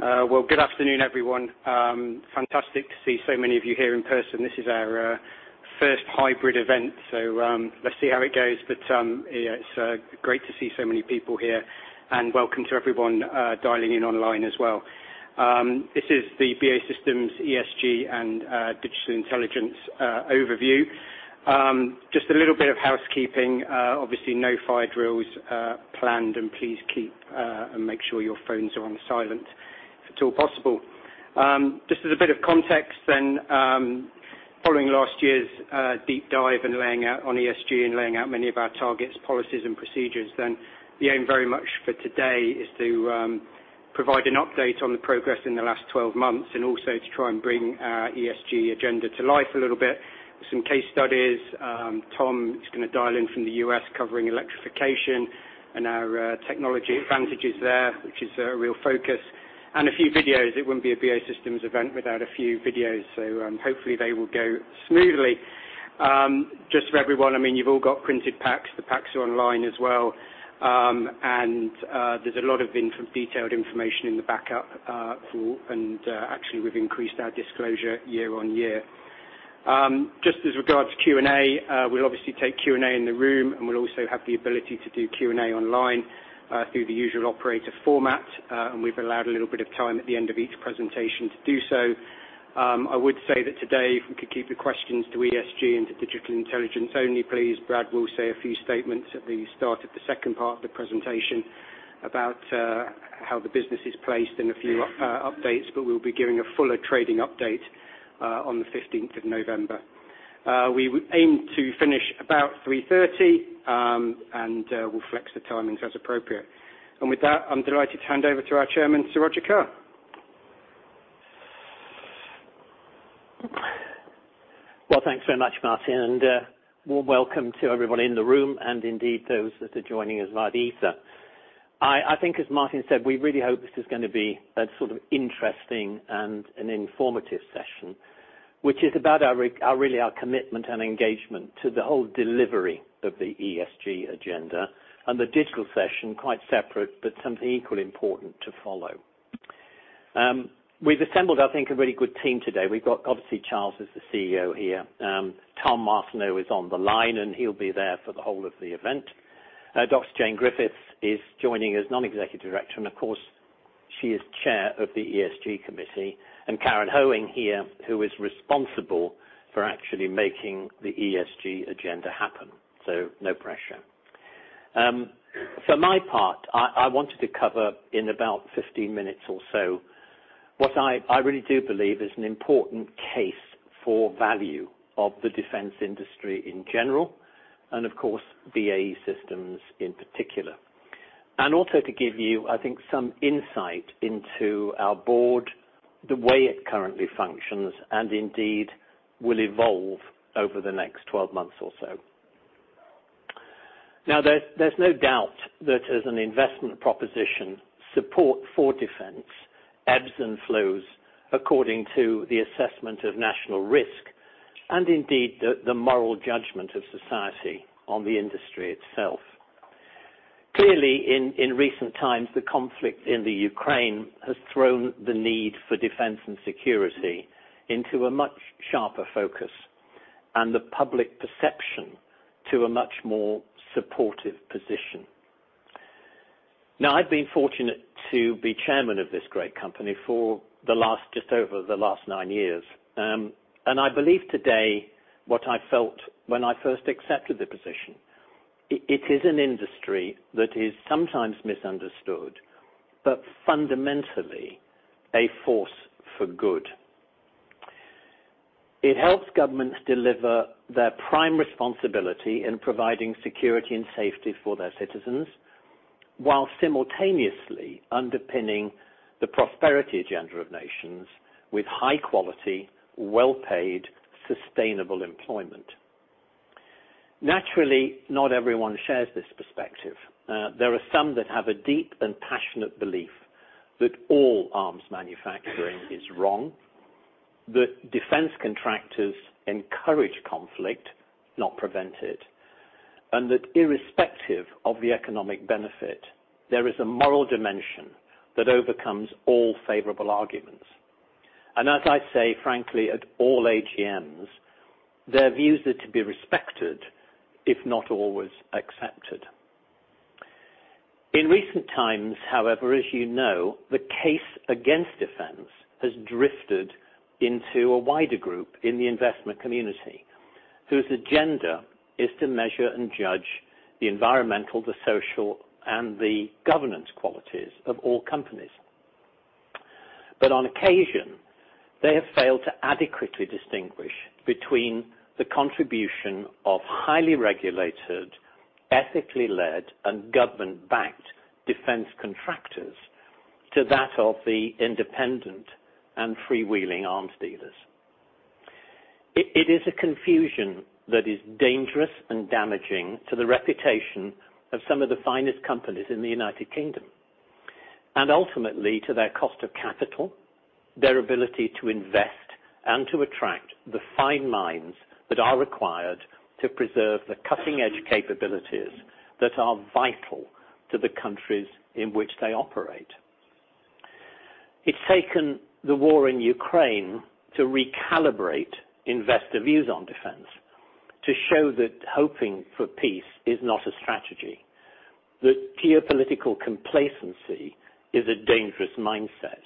Well, good afternoon, everyone. Fantastic to see so many of you here in person. This is our first hybrid event, so let's see how it goes. It's great to see so many people here. Welcome to everyone dialing in online as well. This is the BAE Systems ESG and Digital Intelligence overview. Just a little bit of housekeeping. Obviously no fire drills planned, and please keep and make sure your phones are on silent if at all possible. Just as a bit of context then, following last year's deep dive and laying out on ESG and laying out many of our targets, policies and procedures then, the aim very much for today is to provide an update on the progress in the last 12 months and also to try and bring our ESG agenda to life a little bit. Some case studies, Tom is gonna dial in from the U.S. covering electrification and our technology advantages there, which is a real focus. A few videos. It wouldn't be a BAE Systems event without a few videos, so hopefully they will go smoothly. Just for everyone, I mean, you've all got printed packs. The packs are online as well. There's a lot of in some detailed information in the backup tool, and actually we've increased our disclosure year on year. Just with regard to Q&A, we'll obviously take Q&A in the room, and we'll also have the ability to do Q&A online through the usual operator format. We've allowed a little bit of time at the end of each presentation to do so. I would say that today, if we could keep the questions to ESG and to Digital Intelligence only, please. Brad will say a few statements at the start of the second part of the presentation about how the business is placed and a few updates, but we'll be giving a fuller trading update on the fifteenth of November. We aim to finish about 3:30 P.M. and we'll flex the timings as appropriate. With that, I'm delighted to hand over to our Chairman, Sir Roger Carr. Well, thanks very much, Martin, and warm welcome to everybody in the room and indeed those that are joining us via the ether. I think as Martin said, we really hope this is gonna be a sort of interesting and an informative session, which is about our commitment and engagement to the whole delivery of the ESG agenda and the digital session, quite separate, but something equally important to follow. We've assembled, I think, a really good team today. We've got obviously, Charles is the CEO here. Tom Arseneault is on the line, and he'll be there for the whole of the event. Dr. Jane Griffiths is joining as non-executive director. Of course, she is chair of the ESG committee. Karin Hoeing here, who is responsible for actually making the ESG agenda happen, so no pressure. For my part, I wanted to cover in about 15 minutes or so what I really do believe is an important case for value of the defense industry in general and of course, BAE Systems in particular. I also wanted to give you, I think, some insight into our board, the way it currently functions, and indeed will evolve over the next 12 months or so. Now, there's no doubt that as an investment proposition, support for defense ebbs and flows according to the assessment of national risk, and indeed the moral judgment of society on the industry itself. Clearly in recent times, the conflict in the Ukraine has thrown the need for defense and security into a much sharper focus, and the public perception to a much more supportive position. Now, I've been fortunate to be chairman of this great company for the last, just over the last nine years. I believe today, what I felt when I first accepted the position, it is an industry that is sometimes misunderstood, but fundamentally a force for good. It helps governments deliver their prime responsibility in providing security and safety for their citizens, while simultaneously underpinning the prosperity agenda of nations with high quality, well-paid, sustainable employment. Naturally, not everyone shares this perspective. There are some that have a deep and passionate belief that all arms manufacturing is wrong, that defense contractors encourage conflict, not prevent it, and that irrespective of the economic benefit, there is a moral dimension that overcomes all favorable arguments. As I say, frankly, at all AGMs, their views are to be respected, if not always accepted. In recent times, however, as you know, the case against defense has drifted into a wider group in the investment community whose agenda is to measure and judge the environmental, the social, and the governance qualities of all companies. On occasion, they have failed to adequately distinguish between the contribution of highly regulated, ethically led, and government-backed defense contractors to that of the independent and freewheeling arms dealers. It is a confusion that is dangerous and damaging to the reputation of some of the finest companies in the United Kingdom, and ultimately to their cost of capital. Their ability to invest and to attract the fine minds that are required to preserve the cutting-edge capabilities that are vital to the countries in which they operate. It's taken the war in Ukraine to recalibrate investor views on defense, to show that hoping for peace is not a strategy. That geopolitical complacency is a dangerous mindset,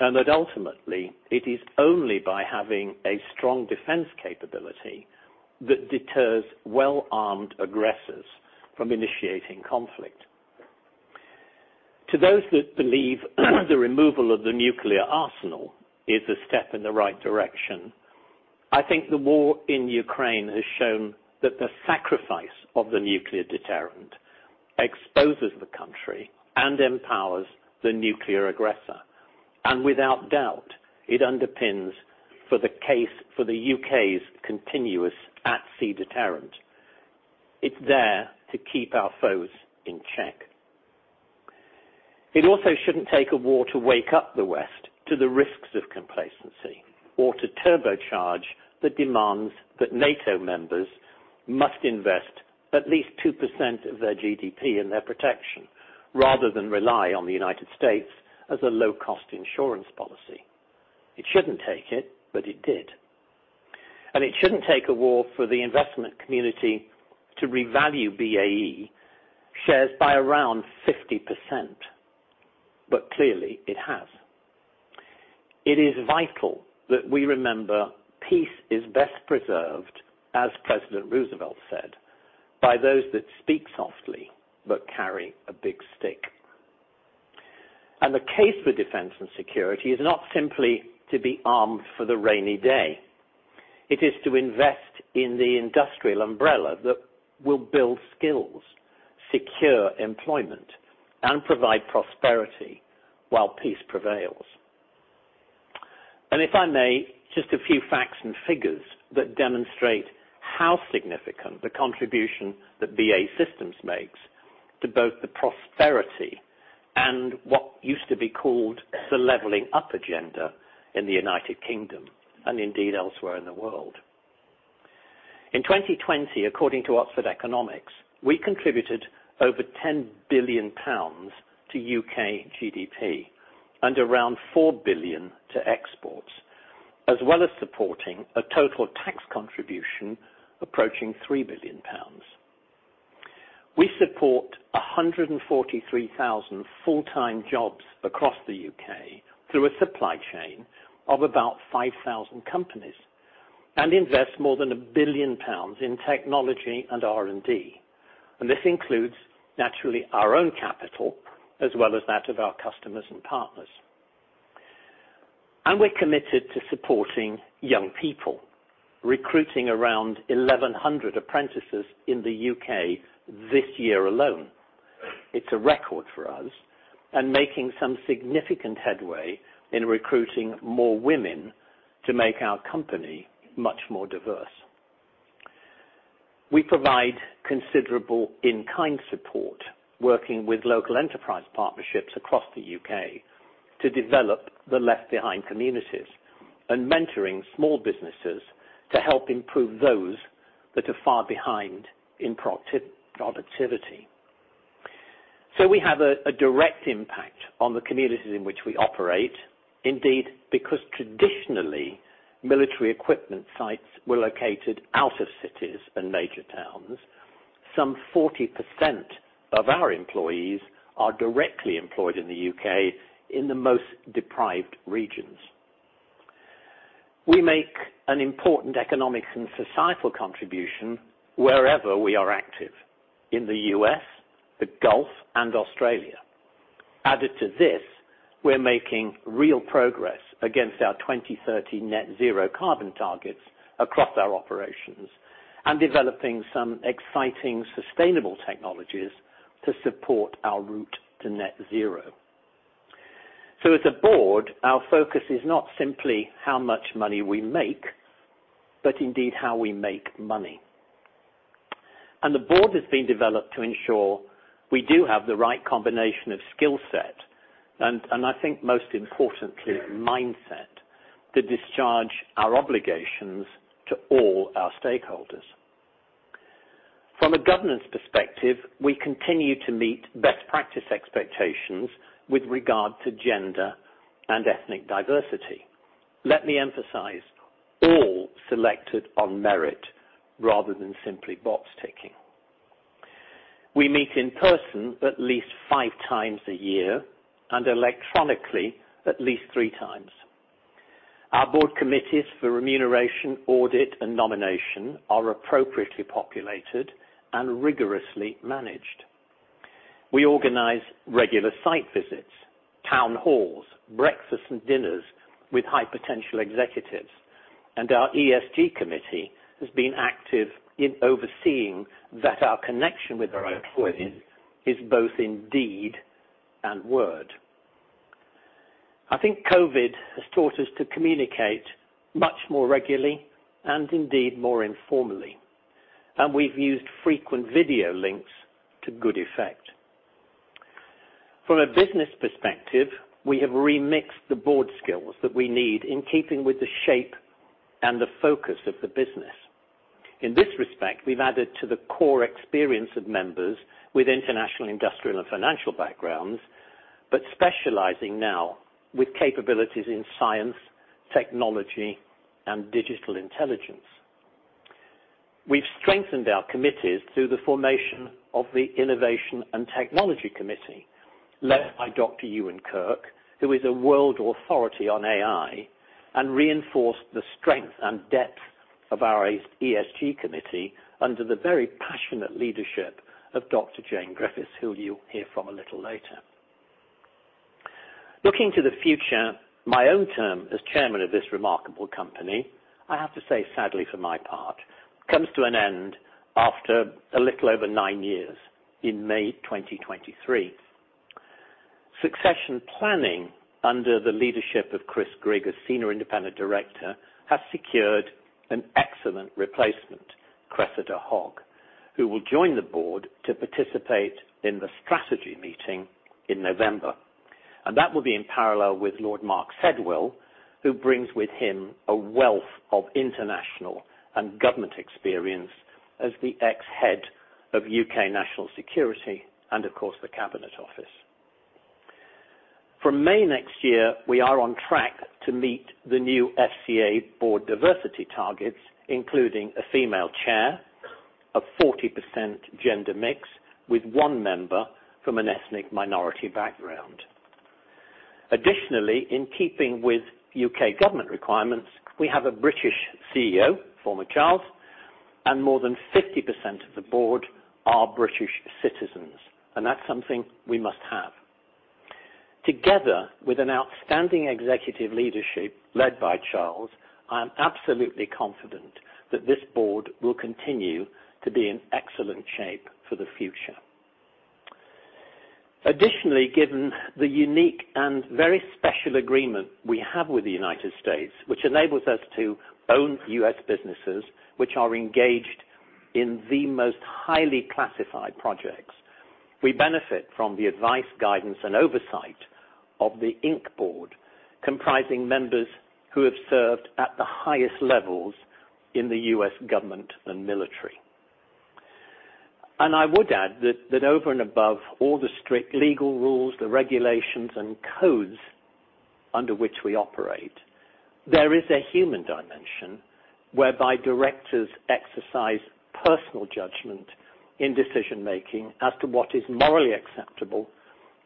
and that ultimately it is only by having a strong defense capability that deters well-armed aggressors from initiating conflict. To those that believe the removal of the nuclear arsenal is a step in the right direction, I think the war in Ukraine has shown that the sacrifice of the nuclear deterrent exposes the country and empowers the nuclear aggressor. Without doubt, it underpins for the case for the UK's continuous at-sea deterrent. It's there to keep our foes in check. It also shouldn't take a war to wake up the West to the risks of complacency or to turbocharge the demands that NATO members must invest at least 2% of their GDP in their protection, rather than rely on the United States as a low-cost insurance policy. It shouldn't take it, but it did. It shouldn't take a war for the investment community to revalue BAE shares by around 50%. Clearly, it has. It is vital that we remember peace is best preserved, as President Roosevelt said, "By those that speak softly but carry a big stick." The case for defense and security is not simply to be armed for the rainy day. It is to invest in the industrial umbrella that will build skills, secure employment, and provide prosperity while peace prevails. If I may, just a few facts and figures that demonstrate how significant the contribution that BAE Systems makes to both the prosperity and what used to be called the leveling up agenda in the United Kingdom, and indeed elsewhere in the world. In 2020, according to Oxford Economics, we contributed over 10 billion pounds to UK GDP and around 4 billion to exports, as well as supporting a total tax contribution approaching 3 billion pounds. We support 143,000 full-time jobs across the UK through a supply chain of about 5,000 companies, and invest more than 1 billion pounds in technology and R&D. This includes, naturally, our own capital as well as that of our customers and partners. We're committed to supporting young people, recruiting around 1,100 apprentices in the UK this year alone. It's a record for us, and making some significant headway in recruiting more women to make our company much more diverse. We provide considerable in-kind support, working with local enterprise partnerships across the U.K. to develop the left-behind communities, and mentoring small businesses to help improve those that are far behind in productivity. We have a direct impact on the communities in which we operate. Indeed, because traditionally, military equipment sites were located out of cities and major towns. Some 40% of our employees are directly employed in the U.K. in the most deprived regions. We make an important economic and societal contribution wherever we are active, in the U.S. the Gulf, and Australia. Added to this, we're making real progress against our 2030 net zero carbon targets across our operations and developing some exciting sustainable technologies to support our route to net zero. As a board, our focus is not simply how much money we make, but indeed how we make money. The board has been developed to ensure we do have the right combination of skill set, and I think most importantly, mindset, to discharge our obligations to all our stakeholders. From a governance perspective, we continue to meet best practice expectations with regard to gender and ethnic diversity. Let me emphasize, all selected on merit rather than simply box-ticking. We meet in person at least five times a year and electronically at least three times. Our board committees for remuneration, audit, and nomination are appropriately populated and rigorously managed. We organize regular site visits, town halls, breakfasts and dinners with high-potential executives, and our ESG committee has been active in overseeing that our connection with our employees is both in deed and word. I think COVID has taught us to communicate much more regularly and indeed more informally. We've used frequent video links to good effect. From a business perspective, we have remixed the board skills that we need in keeping with the shape and the focus of the business. In this respect, we've added to the core experience of members with international, industrial, and financial backgrounds, but specializing now with capabilities in science, technology, and digital intelligence. We've strengthened our committees through the formation of the innovation and technology committee led by Dr. Ewan Kirk, who is a world authority on AI, and reinforced the strength and depth of our ESG committee under the very passionate leadership of Dr. Jane Griffiths, who you'll hear from a little later. Looking to the future, my own term as chairman of this remarkable company, I have to say, sadly for my part, comes to an end after a little over nine years in May 2023. Succession planning under the leadership of Chris Grigg, a senior independent director, has secured an excellent replacement, Cressida Hogg, who will join the board to participate in the strategy meeting in November. That will be in parallel with Lord Mark Sedwill, who brings with him a wealth of international and government experience as the ex-head of UK National Security and, of course, the Cabinet Office. From May next year, we are on track to meet the new FCA board diversity targets, including a female chair, a 40% gender mix with one member from an ethnic minority background. Additionally, in keeping with UK government requirements, we have a British CEO, Charles Woodburn, and more than 50% of the board are British citizens, and that's something we must have. Together with an outstanding executive leadership led by Charles, I am absolutely confident that this board will continue to be in excellent shape for the future. Additionally, given the unique and very special agreement we have with the United States, which enables us to own U.S. businesses, which are engaged in the most highly classified projects, we benefit from the advice, guidance, and oversight of the Inc. board, comprising members who have served at the highest levels in the U.S. government and military. I would add that over and above all the strict legal rules, the regulations, and codes under which we operate, there is a human dimension whereby directors exercise personal judgment in decision-making as to what is morally acceptable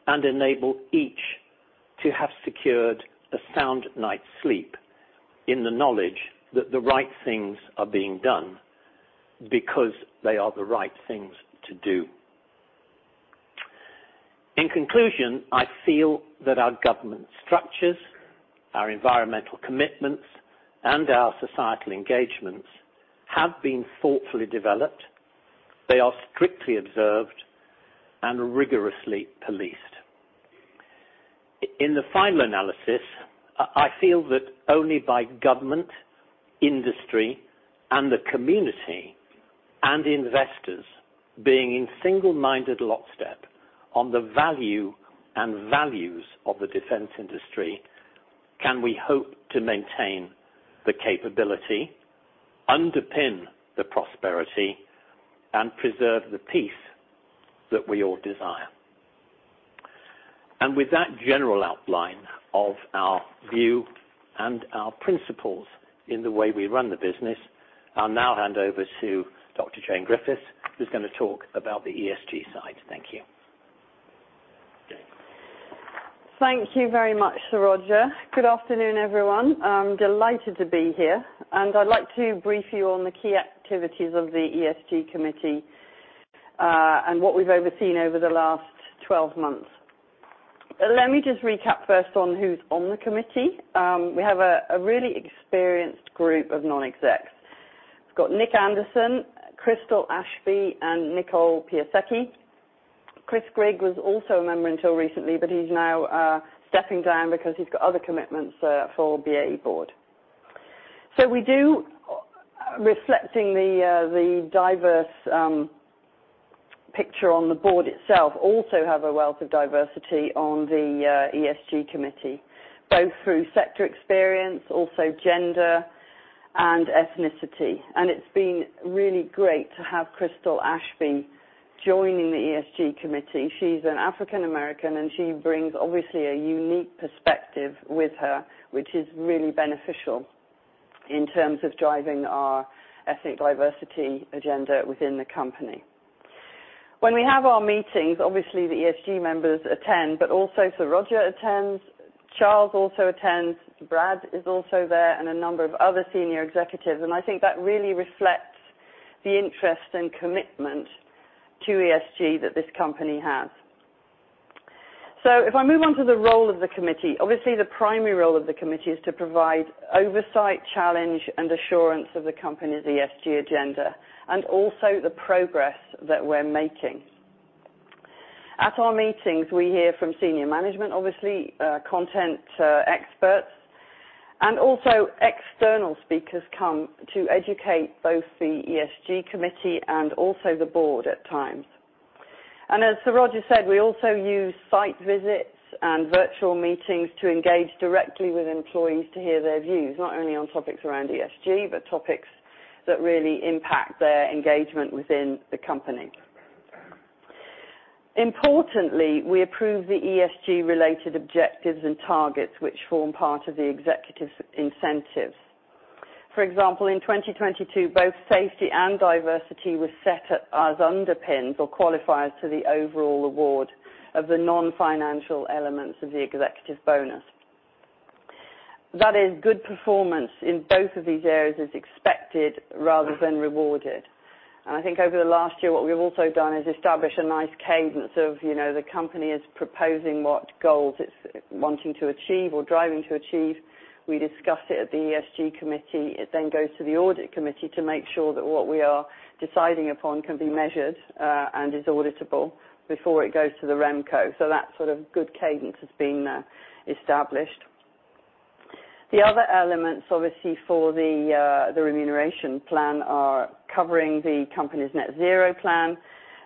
and enable each to have secured a sound night's sleep in the knowledge that the right things are being done because they are the right things to do. In conclusion, I feel that our governance structures, our environmental commitments, and our societal engagements have been thoughtfully developed. They are strictly observed and rigorously policed. In the final analysis, I feel that only by government, industry, and the community, and investors being in single-minded lockstep on the value and values of the defense industry, can we hope to maintain the capability, underpin the prosperity, and preserve the peace that we all desire. With that general outline of our view and our principles in the way we run the business, I'll now hand over to Dr. Jane Griffiths, who's gonna talk about the ESG side. Thank you. Thank you very much, Sir Roger. Good afternoon, everyone. I'm delighted to be here, and I'd like to brief you on the key activities of the ESG committee, and what we've overseen over the last 12 months. Let me just recap first on who's on the committee. We have a really experienced group of non-execs. We've got Nick Anderson, Crystal Ashby, and Nicole Piasecki. Chris Grigg was also a member until recently, but he's now stepping down because he's got other commitments for BAE board. We do, reflecting the diverse picture on the board itself, also have a wealth of diversity on the ESG committee, both through sector experience, also gender and ethnicity. It's been really great to have Crystal Ashby joining the ESG committee. She's an African American, and she brings obviously a unique perspective with her, which is really beneficial in terms of driving our ethnic diversity agenda within the company. When we have our meetings, obviously, the ESG members attend, but also Sir Roger attends. Charles also attends. Brad is also there and a number of other senior executives, and I think that really reflects the interest and commitment to ESG that this company has. If I move on to the role of the committee, obviously, the primary role of the committee is to provide oversight, challenge, and assurance of the company's ESG agenda and also the progress that we're making. At our meetings, we hear from senior management, obviously, content experts, and also external speakers come to educate both the ESG committee and also the board at times. As Sir Roger said, we also use site visits and virtual meetings to engage directly with employees to hear their views, not only on topics around ESG, but topics that really impact their engagement within the company. Importantly, we approve the ESG related objectives and targets which form part of the executives incentives. For example, in 2022, both safety and diversity was set up as underpins or qualifiers to the overall award of the non-financial elements of the executive bonus. That is good performance in both of these areas is expected rather than rewarded. I think over the last year, what we've also done is establish a nice cadence of, you know, the company is proposing what goals it's wanting to achieve or driving to achieve. We discuss it at the ESG committee. It then goes to the audit committee to make sure that what we are deciding upon can be measured and is auditable before it goes to the RemCo. That sort of good cadence has been established. The other elements, obviously, for the remuneration plan are covering the company's net zero plan,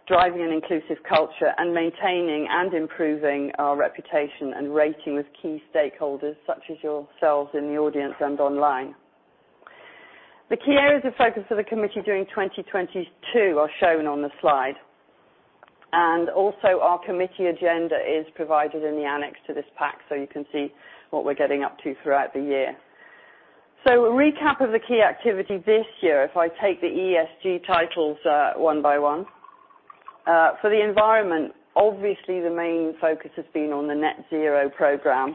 driving an inclusive culture, and maintaining and improving our reputation and rating with key stakeholders such as yourselves in the audience and online. The key areas of focus for the committee during 2022 are shown on the slide, and also our committee agenda is provided in the annex to this pack, so you can see what we're getting up to throughout the year. A recap of the key activity this year, if I take the ESG titles one by one. For the environment, obviously the main focus has been on the Net Zero program,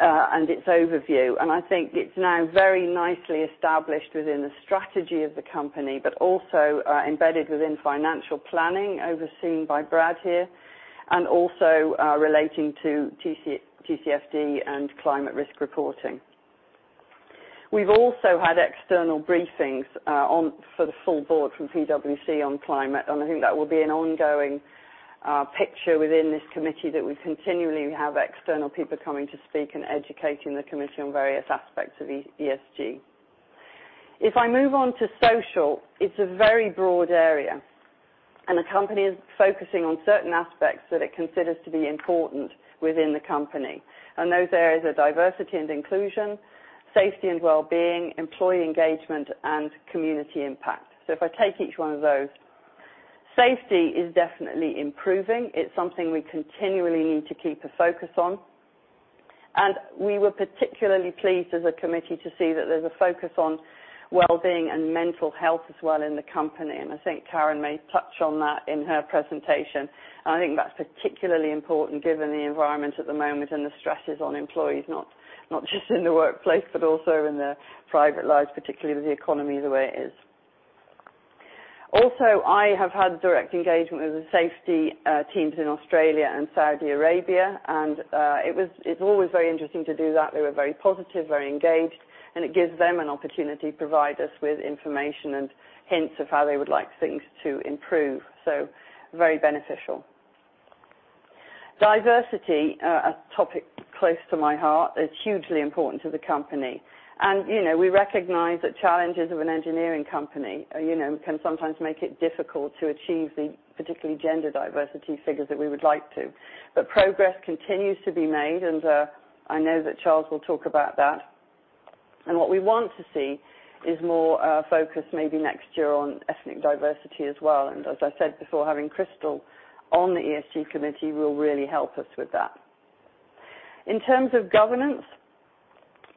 and its overview. I think it's now very nicely established within the strategy of the company, but also, embedded within financial planning overseen by Brad here, and also, relating to TCFD and climate risk reporting. We've also had external briefings, for the full board from PwC on climate, and I think that will be an ongoing picture within this committee that we continually have external people coming to speak and educating the committee on various aspects of ESG. If I move on to social, it's a very broad area, and the company is focusing on certain aspects that it considers to be important within the company. Those areas are diversity and inclusion, safety and well-being, employee engagement, and community impact. If I take each one of those. Safety is definitely improving. It's something we continually need to keep a focus on. We were particularly pleased as a committee to see that there's a focus on well-being and mental health as well in the company. I think Karin may touch on that in her presentation. I think that's particularly important given the environment at the moment and the stresses on employees, not just in the workplace, but also in their private lives, particularly with the economy the way it is. I have had direct engagement with the safety teams in Australia and Saudi Arabia, and it's always very interesting to do that. They were very positive, very engaged, and it gives them an opportunity to provide us with information and hints of how they would like things to improve. Very beneficial. Diversity, a topic close to my heart, is hugely important to the company. We recognize that challenges of an engineering company, you know, can sometimes make it difficult to achieve the particularly gender diversity figures that we would like to. Progress continues to be made, and I know that Charles will talk about that. What we want to see is more focus maybe next year on ethnic diversity as well. As I said before, having Crystal on the ESG committee will really help us with that. In terms of governance,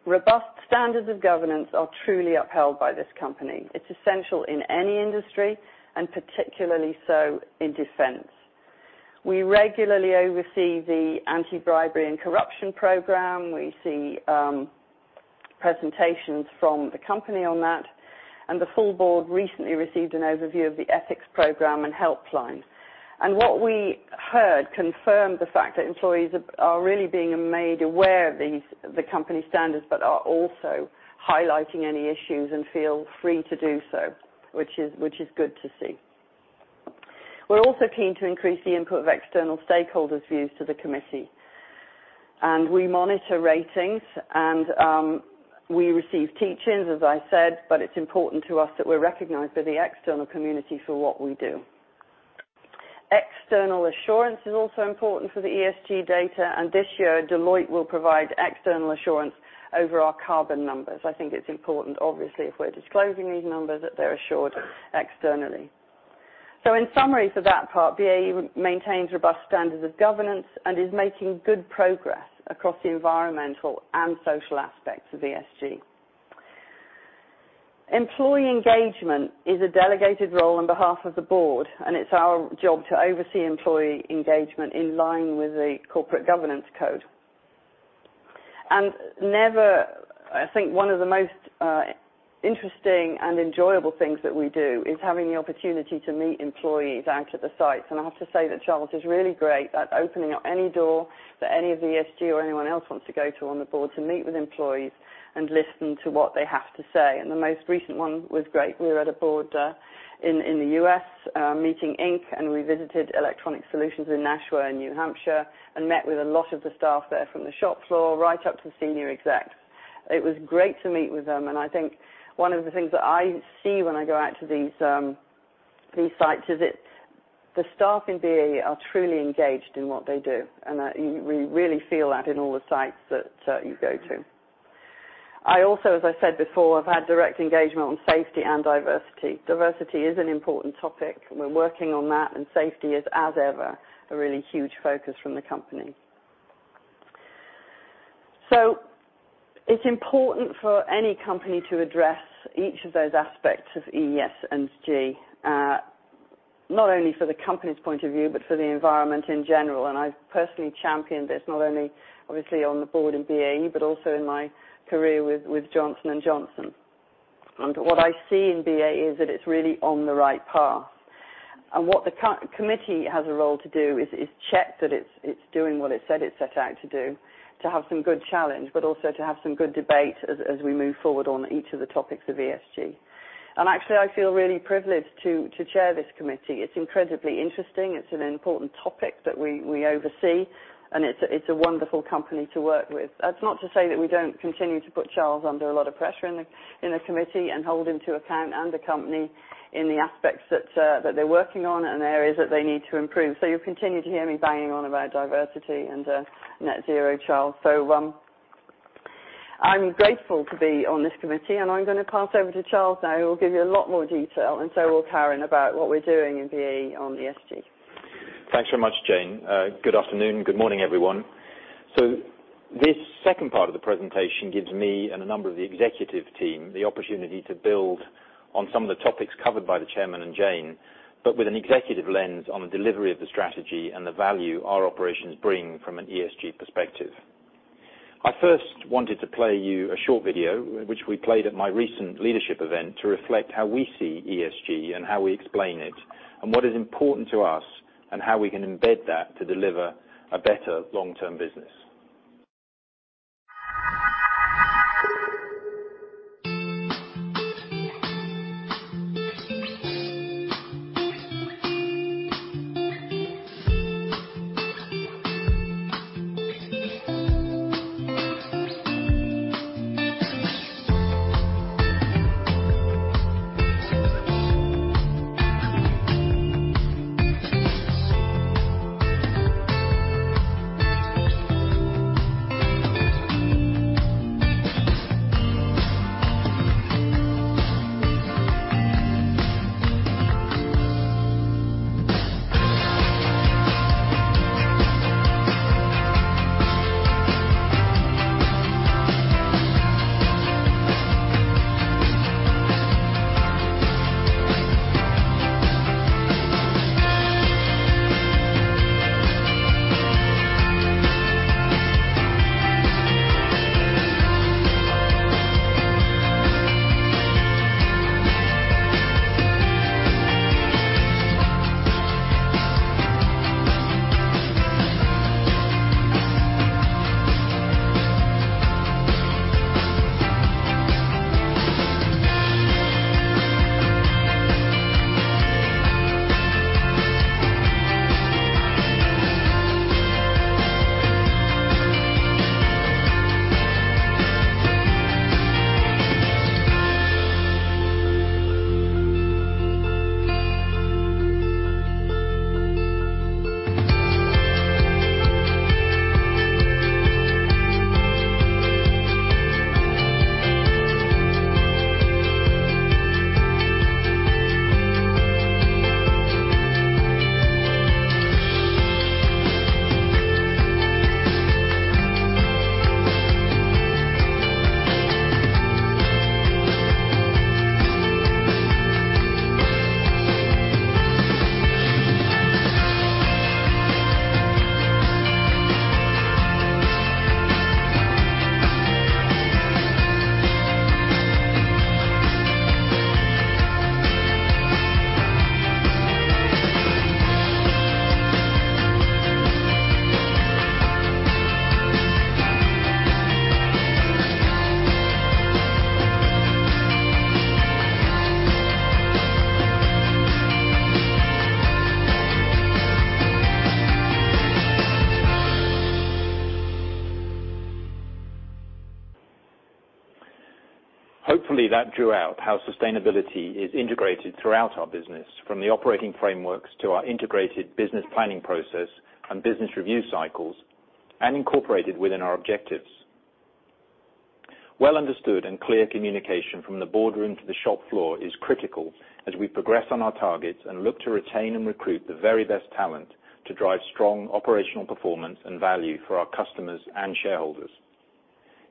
robust standards of governance are truly upheld by this company. It's essential in any industry, and particularly so in defense. We regularly oversee the anti-bribery and corruption program. We see presentations from the company on that, and the full board recently received an overview of the ethics program and helpline. What we heard confirmed the fact that employees are really being made aware of the company standards, but are also highlighting any issues and feel free to do so, which is good to see. We're also keen to increase the input of external stakeholders' views to the committee, and we monitor ratings and we receive teach-ins, as I said, but it's important to us that we're recognized by the external community for what we do. External assurance is also important for the ESG data, and this year, Deloitte will provide external assurance over our carbon numbers. I think it's important, obviously, if we're disclosing these numbers, that they're assured externally. In summary for that part, BAE maintains robust standards of governance and is making good progress across the environmental and social aspects of ESG. Employee engagement is a delegated role on behalf of the board, and it's our job to oversee employee engagement in line with the corporate governance code. One of the most interesting and enjoyable things that we do is having the opportunity to meet employees out at the sites. I have to say that Charles is really great at opening up any door that any of the ESG or anyone else wants to go to on the board to meet with employees and listen to what they have to say. The most recent one was great. We were at a board dinner in the US, meeting Inc. Revisited Electronic Systems in Nashua, New Hampshire, and met with a lot of the staff there from the shop floor right up to senior execs. It was great to meet with them, and I think one of the things that I see when I go out to these sites is it's the staff in BAE are truly engaged in what they do, and you really feel that in all the sites that you go to. I also, as I said before, have had direct engagement on safety and diversity. Diversity is an important topic. We're working on that, and safety is, as ever, a really huge focus from the company. It's important for any company to address each of those aspects of ESG, not only for the company's point of view, but for the environment in general. I've personally championed this not only obviously on the board in BAE but also in my career with Johnson & Johnson. What I see in BAE is that it's really on the right path. What the committee has a role to do is check that it's doing what it said it set out to do, to have some good challenge, but also to have some good debate as we move forward on each of the topics of ESG. Actually, I feel really privileged to chair this committee. It's incredibly interesting. It's an important topic that we oversee, and it's a wonderful company to work with. That's not to say that we don't continue to put Charles under a lot of pressure in the committee and hold him to account and the company in the aspects that they're working on and areas that they need to improve. You'll continue to hear me banging on about diversity and net zero, Charles. I'm grateful to be on this committee, and I'm gonna pass over to Charles now, who will give you a lot more detail, and so will Karin, about what we're doing in BAE on ESG. Thanks very much, Jane. Good afternoon, good morning, everyone. This second part of the presentation gives me and a number of the executive team the opportunity to build on some of the topics covered by the chairman and Jane, but with an executive lens on the delivery of the strategy and the value our operations bring from an ESG perspective. I first wanted to play you a short video, which we played at my recent leadership event, to reflect how we see ESG and how we explain it and what is important to us and how we can embed that to deliver a better long-term business. Hopefully, that drew out how sustainability is integrated throughout our business, from the operating frameworks to our integrated business planning process and business review cycles, and incorporated within our objectives. Well understood and clear communication from the boardroom to the shop floor is critical as we progress on our targets and look to retain and recruit the very best talent to drive strong operational performance and value for our customers and shareholders.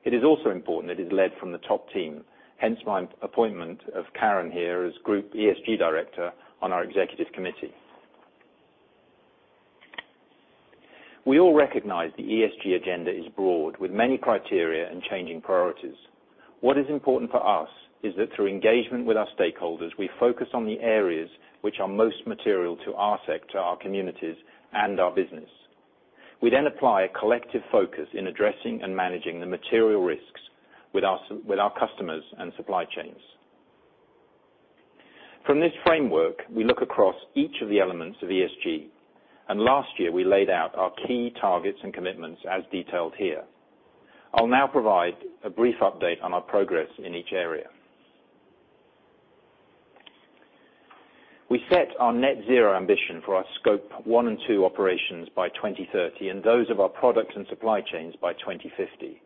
It is also important that it is led from the top team, hence my appointment of Karin Hoeing here as Group ESG Director on our executive committee. We all recognize the ESG agenda is broad, with many criteria and changing priorities. What is important for us is that through engagement with our stakeholders, we focus on the areas which are most material to our sector, our communities, and our business. We then apply a collective focus in addressing and managing the material risks with our customers and supply chains. From this framework, we look across each of the elements of ESG, and last year, we laid out our key targets and commitments as detailed here. I'll now provide a brief update on our progress in each area. We set our net zero ambition for our Scope 1 and 2 operations by 2030, and those of our products and supply chains by 2050.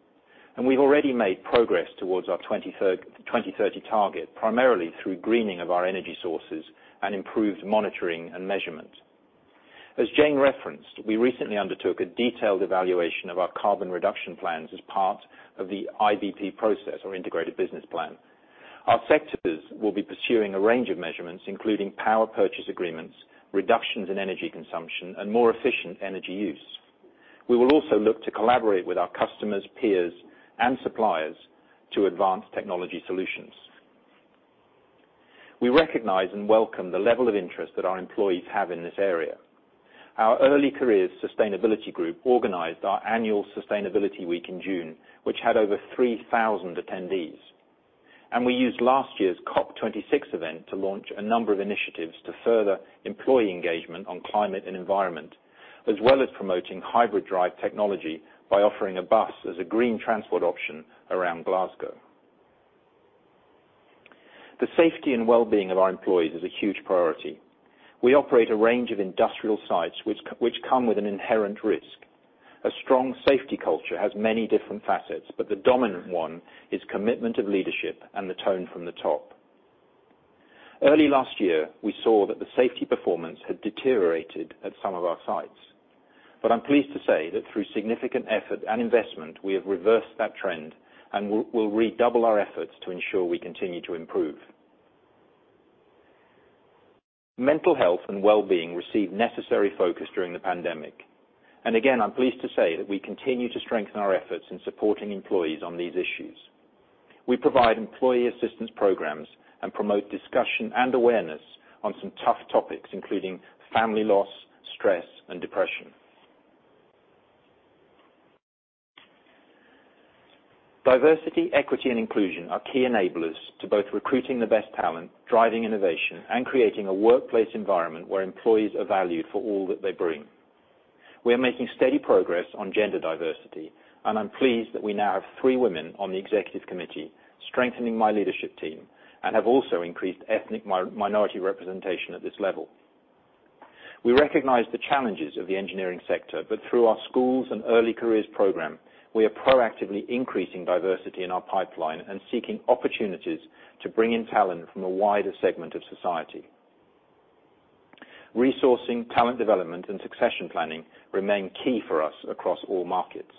We've already made progress towards our 2030 target, primarily through greening of our energy sources and improved monitoring and measurement. As Jane referenced, we recently undertook a detailed evaluation of our carbon reduction plans as part of the IBP process or integrated business plan. Our sectors will be pursuing a range of measurements, including power purchase agreements, reductions in energy consumption, and more efficient energy use. We will also look to collaborate with our customers, peers, and suppliers to advance technology solutions. We recognize and welcome the level of interest that our employees have in this area. Our early career sustainability group organized our annual sustainability week in June, which had over 3,000 attendees. We used last year's COP26 event to launch a number of initiatives to further employee engagement on climate and environment, as well as promoting hybrid drive technology by offering a bus as a green transport option around Glasgow. The safety and well-being of our employees is a huge priority. We operate a range of industrial sites which come with an inherent risk. A strong safety culture has many different facets, but the dominant one is commitment of leadership and the tone from the top. Early last year, we saw that the safety performance had deteriorated at some of our sites. I'm pleased to say that through significant effort and investment, we have reversed that trend and we'll redouble our efforts to ensure we continue to improve. Mental health and well-being received necessary focus during the pandemic. Again, I'm pleased to say that we continue to strengthen our efforts in supporting employees on these issues. We provide employee assistance programs and promote discussion and awareness on some tough topics, including family loss, stress, and depression. Diversity, equity, and inclusion are key enablers to both recruiting the best talent, driving innovation, and creating a workplace environment where employees are valued for all that they bring. We are making steady progress on gender diversity, and I'm pleased that we now have three women on the executive committee, strengthening my leadership team and have also increased ethnic minority representation at this level. We recognize the challenges of the engineering sector, but through our schools and early careers program, we are proactively increasing diversity in our pipeline and seeking opportunities to bring in talent from a wider segment of society. Resourcing, talent development, and succession planning remain key for us across all markets.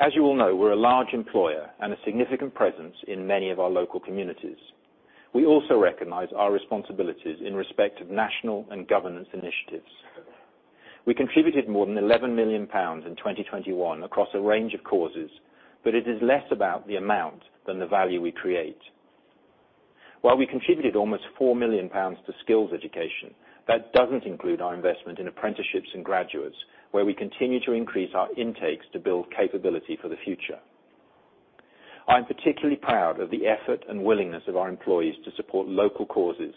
As you all know, we're a large employer and a significant presence in many of our local communities. We also recognize our responsibilities in respect of national and governance initiatives. We contributed more than 11 million pounds in 2021 across a range of causes, but it is less about the amount than the value we create. While we contributed almost 4 million pounds to skills education, that doesn't include our investment in apprenticeships and graduates, where we continue to increase our intakes to build capability for the future. I'm particularly proud of the effort and willingness of our employees to support local causes,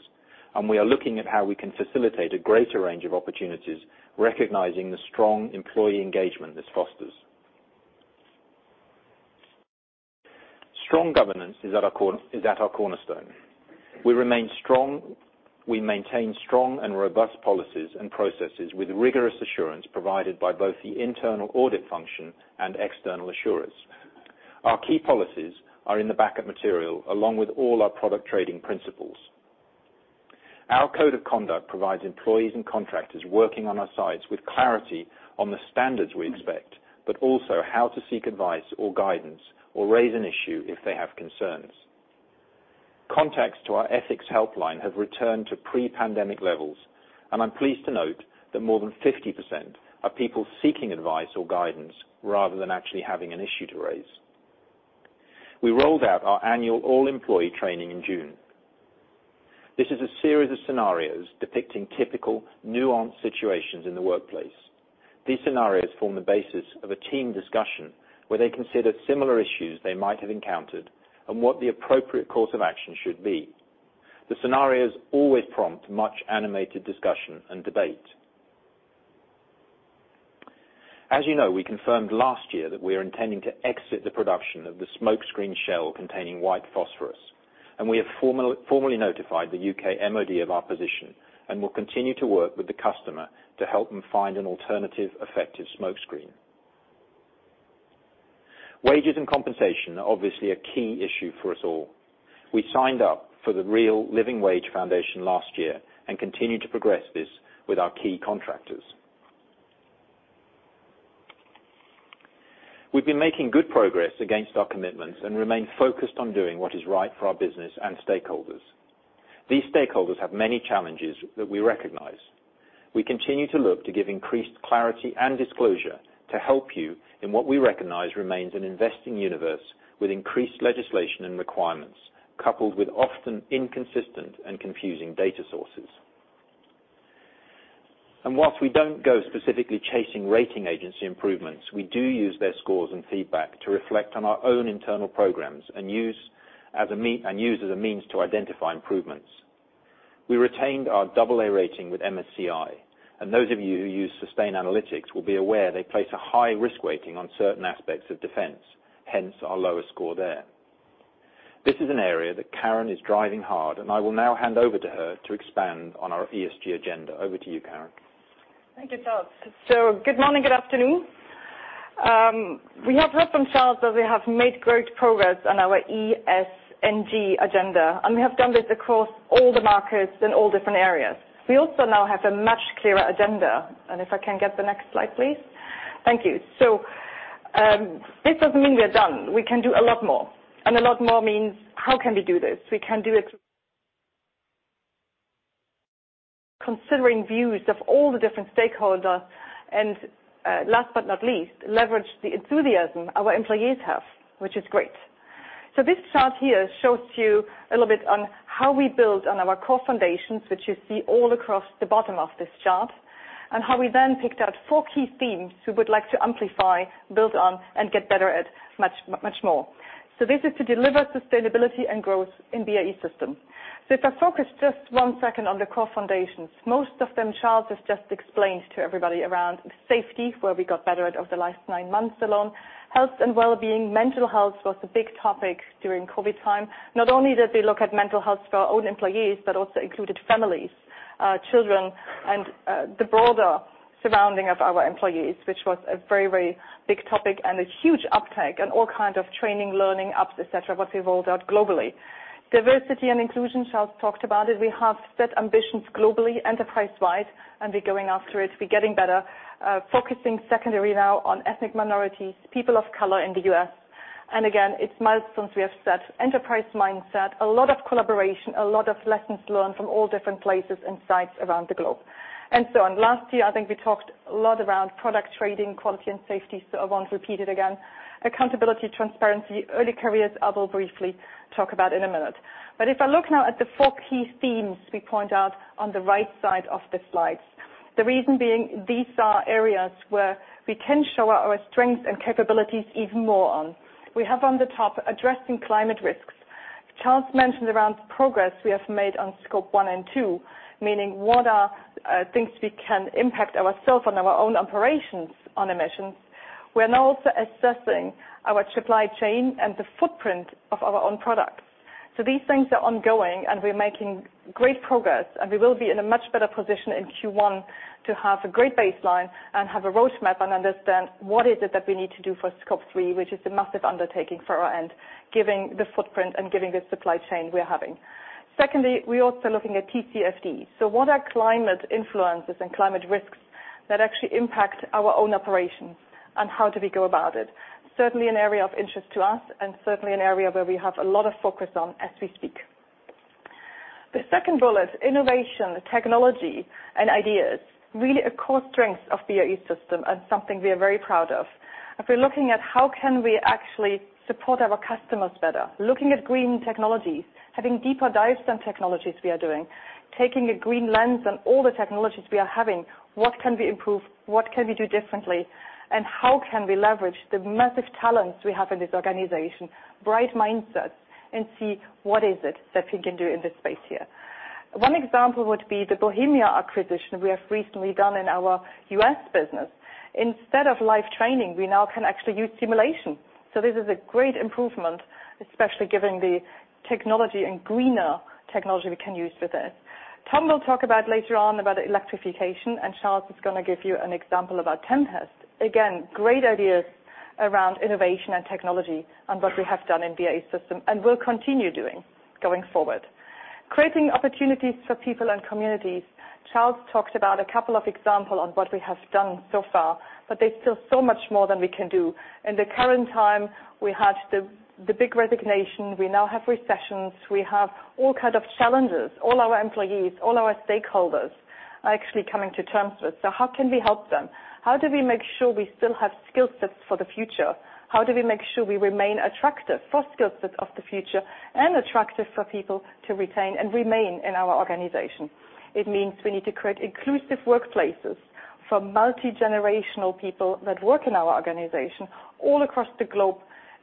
and we are looking at how we can facilitate a greater range of opportunities, recognizing the strong employee engagement this fosters. Strong governance is at our cornerstone. We maintain strong and robust policies and processes with rigorous assurance provided by both the internal audit function and external assurance. Our key policies are in the backup material along with all our product trading principles. Our code of conduct provides employees and contractors working on our sites with clarity on the standards we expect, but also how to seek advice or guidance or raise an issue if they have concerns. Contacts to our ethics helpline have returned to pre-pandemic levels, and I'm pleased to note that more than 50% are people seeking advice or guidance rather than actually having an issue to raise. We rolled out our annual all-employee training in June. This is a series of scenarios depicting typical nuanced situations in the workplace. These scenarios form the basis of a team discussion where they consider similar issues they might have encountered and what the appropriate course of action should be. The scenarios always prompt much animated discussion and debate. As you know, we confirmed last year that we are intending to exit the production of the smoke screen shell containing white phosphorus, and we have formally notified the UK MOD of our position and will continue to work with the customer to help them find an alternative effective smoke screen. Wages and compensation are obviously a key issue for us all. We signed up for the Real Living Wage Foundation last year and continue to progress this with our key contractors. We've been making good progress against our commitments and remain focused on doing what is right for our business and stakeholders. These stakeholders have many challenges that we recognize. We continue to look to give increased clarity and disclosure to help you in what we recognize remains an investing universe with increased legislation and requirements, coupled with often inconsistent and confusing data sources. While we don't go specifically chasing rating agency improvements, we do use their scores and feedback to reflect on our own internal programs and use as a means to identify improvements. We retained our double A rating with MSCI, and those of you who use Sustainalytics will be aware they place a high-risk rating on certain aspects of defense, hence our lower score there. This is an area that Karin is driving hard, and I will now hand over to her to expand on our ESG agenda. Over to you, Karin. Thank you, Charles. Good morning, good afternoon. We have heard from Charles that we have made great progress on our ESG agenda, and we have done this across all the markets in all different areas. We also now have a much clearer agenda. If I can get the next slide, please. Thank you. This doesn't mean we are done. We can do a lot more, and a lot more means how can we do this? We can do it considering views of all the different stakeholder, and last but not least, leverage the enthusiasm our employees have, which is great. This chart here shows you a little bit on how we build on our core foundations, which you see all across the bottom of this chart, and how we then picked out four key themes we would like to amplify, build on, and get better at much, much more. This is to deliver sustainability and growth in BAE Systems. If I focus just one second on the core foundations, most of them, Charles has just explained to everybody around safety, where we got better at over the last nine months alone. Health and well-being, mental health was a big topic during COVID time. Not only did we look at mental health for our own employees, but also included families, children, and the broader surrounding of our employees, which was a very, very big topic and a huge uptake on all kind of training, learning apps, et cetera, what we rolled out globally. Diversity and inclusion, Charles talked about it. We have set ambitions globally, enterprise-wide, and we're going after it. We're getting better, focusing secondly now on ethnic minorities, people of color in the U.S. Again, it's milestones we have set, enterprise mindset, a lot of collaboration, a lot of lessons learned from all different places and sites around the globe, and so on. Last year, I think we talked a lot around product training, quality and safety, so I won't repeat it again. Accountability, transparency, early careers, I will briefly talk about in a minute. If I look now at the four key themes we point out on the right side of the slides, the reason being these are areas where we can show our strength and capabilities even more on. We have on the top addressing climate risks. Charles mentioned around progress we have made on Scope 1 and 2, meaning what are things we can impact ourself on our own operations on emissions. We're now also assessing our supply chain and the footprint of our own products. These things are ongoing, and we're making great progress, and we will be in a much better position in Q1 to have a great baseline and have a roadmap and understand what is it that we need to do for Scope 3, which is a massive undertaking for our end, giving the footprint and giving the supply chain we are having. Secondly, we're also looking at TCFD. What are climate influences and climate risks that actually impact our own operations, and how do we go about it? Certainly an area of interest to us, and certainly an area where we have a lot of focus on as we speak. The second bullet, innovation, technology and ideas, really a core strength of BAE Systems and something we are very proud of. If we're looking at how can we actually support our customers better, looking at green technologies, having deeper dives on technologies we are doing, taking a green lens on all the technologies we are having, what can we improve? What can we do differently? How can we leverage the massive talents we have in this organization, bright mindsets, and see what is it that we can do in this space here? One example would be the Bohemia acquisition we have recently done in our U.S. business. Instead of live training, we now can actually use simulation. This is a great improvement, especially given the technology and greener technology we can use with this. Tom will talk about later on electrification, and Charles is gonna give you an example about Tempest. Again, great ideas around innovation and technology on what we have done in BAE Systems, and we'll continue doing going forward. Creating opportunities for people and communities. Charles talked about a couple of example on what we have done so far, but there's still so much more than we can do. In the current time, we have the big resignation. We now have recessions. We have all kind of challenges. All our employees, all our stakeholders are actually coming to terms with. How can we help them? How do we make sure we still have skillsets for the future? How do we make sure we remain attractive for skillsets of the future and attractive for people to retain and remain in our organization? It means we need to create inclusive workplaces for multi-generational people that work in our organization all across the globe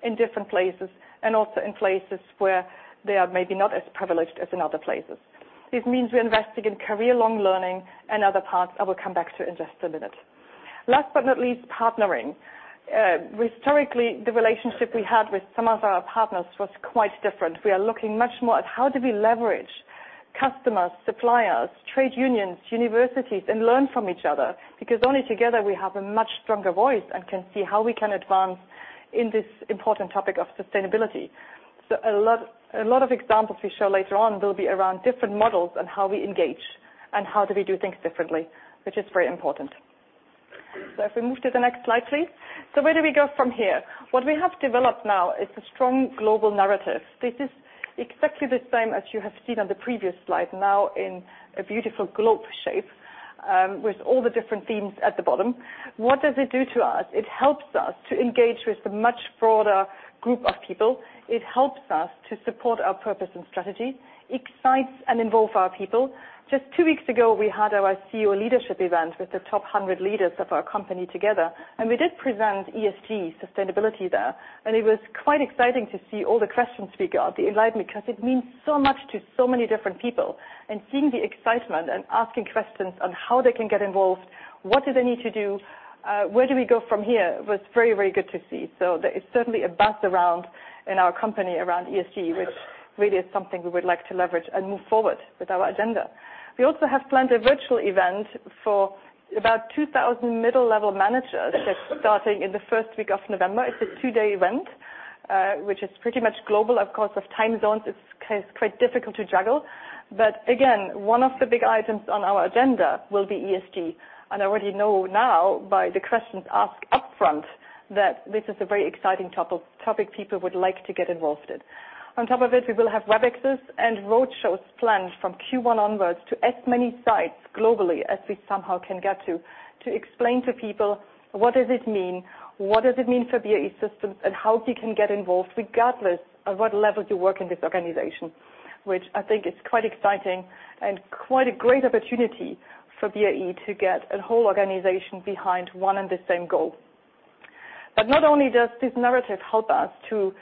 in different places, and also in places where they are maybe not as privileged as in other places. This means we're investing in career-long learning and other parts I will come back to in just a minute. Last but not least, partnering. Historically, the relationship we had with some of our partners was quite different. We are looking much more at how do we leverage customers, suppliers, trade unions, universities, and learn from each other? Because only together we have a much stronger voice and can see how we can advance in this important topic of sustainability. A lot of examples we show later on will be around different models on how we engage and how do we do things differently, which is very important. If we move to the next slide, please. Where do we go from here? What we have developed now is a strong global narrative. This is exactly the same as you have seen on the previous slide, now in a beautiful globe shape, with all the different themes at the bottom. What does it do to us? It helps us to engage with a much broader group of people. It helps us to support our purpose and strategy, excites and involve our people. Just two weeks ago, we had our CEO leadership event with the top 100 leaders of our company together, and we did present ESG sustainability there. It was quite exciting to see all the questions we got, the enlightenment, because it means so much to so many different people. Seeing the excitement and asking questions on how they can get involved, what do they need to do, where do we go from here, was very, very good to see. There is certainly a buzz around in our company around ESG, which really is something we would like to leverage and move forward with our agenda. We also have planned a virtual event for about 2,000 middle-level managers that's starting in the first week of November. It's a two-day event, which is pretty much global. Of course, of time zones, it's quite difficult to juggle. Again, one of the big items on our agenda will be ESG. I already know now by the questions asked upfront that this is a very exciting topic people would like to get involved in. On top of it, we will have WebExes and road shows planned from Q1 onwards to as many sites globally as we somehow can get to explain to people what does it mean, what does it mean for BAE Systems, and how we can get involved regardless of what level you work in this organization. Which I think is quite exciting and quite a great opportunity for BAE to get a whole organization behind one and the same goal. Not only does this narrative help us to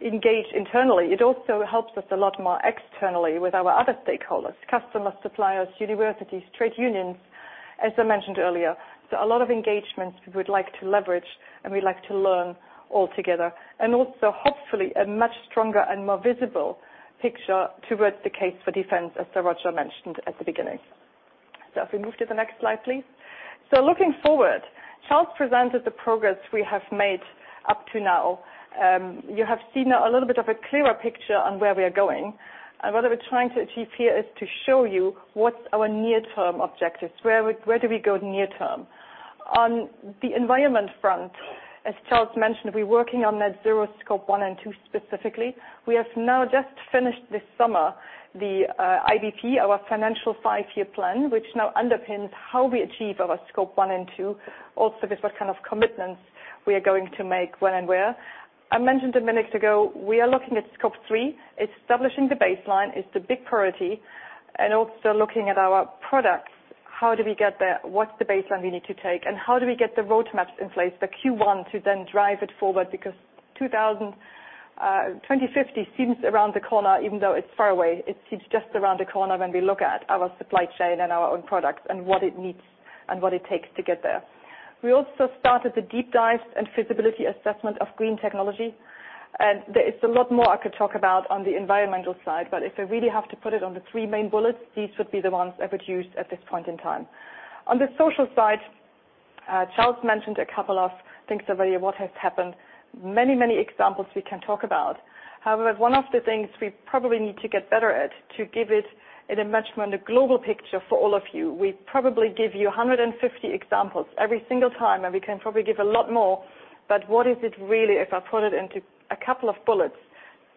engage internally, it also helps us a lot more externally with our other stakeholders, customers, suppliers, universities, trade unions, as I mentioned earlier. A lot of engagements we would like to leverage, and we'd like to learn all together. Also, hopefully, a much stronger and more visible picture towards the case for defense, as Sir Roger mentioned at the beginning. If we move to the next slide, please. Looking forward, Charles presented the progress we have made up to now. You have seen a little bit of a clearer picture on where we are going, and what we're trying to achieve here is to show you what's our near-term objectives, where do we go near term. On the environment front, as Charles mentioned, we're working on net zero Scope 1 and 2 specifically. We have now just finished this summer the IBP, our financial five-year plan, which now underpins how we achieve our Scope 1 and 2. Also, this what kind of commitments we are going to make when and where. I mentioned a minute ago, we are looking at Scope 3. Establishing the baseline is the big priority, and also looking at our products. How do we get there? What's the baseline we need to take? And how do we get the roadmaps in place for Q1 to then drive it forward? Because 2050 seems around the corner, even though it's far away. It seems just around the corner when we look at our supply chain and our own products and what it needs and what it takes to get there. We also started a deep dive and feasibility assessment of green technology. There is a lot more I could talk about on the environmental side, but if I really have to put it on the three main bullets, these would be the ones I would use at this point in time. On the social side, Charles mentioned a couple of things already, what has happened. Many, many examples we can talk about. However, one of the things we probably need to get better at, to give it in a much more global picture for all of you. We probably give you 150 examples every single time, and we can probably give a lot more, but what is it really, if I put it into a couple of bullets,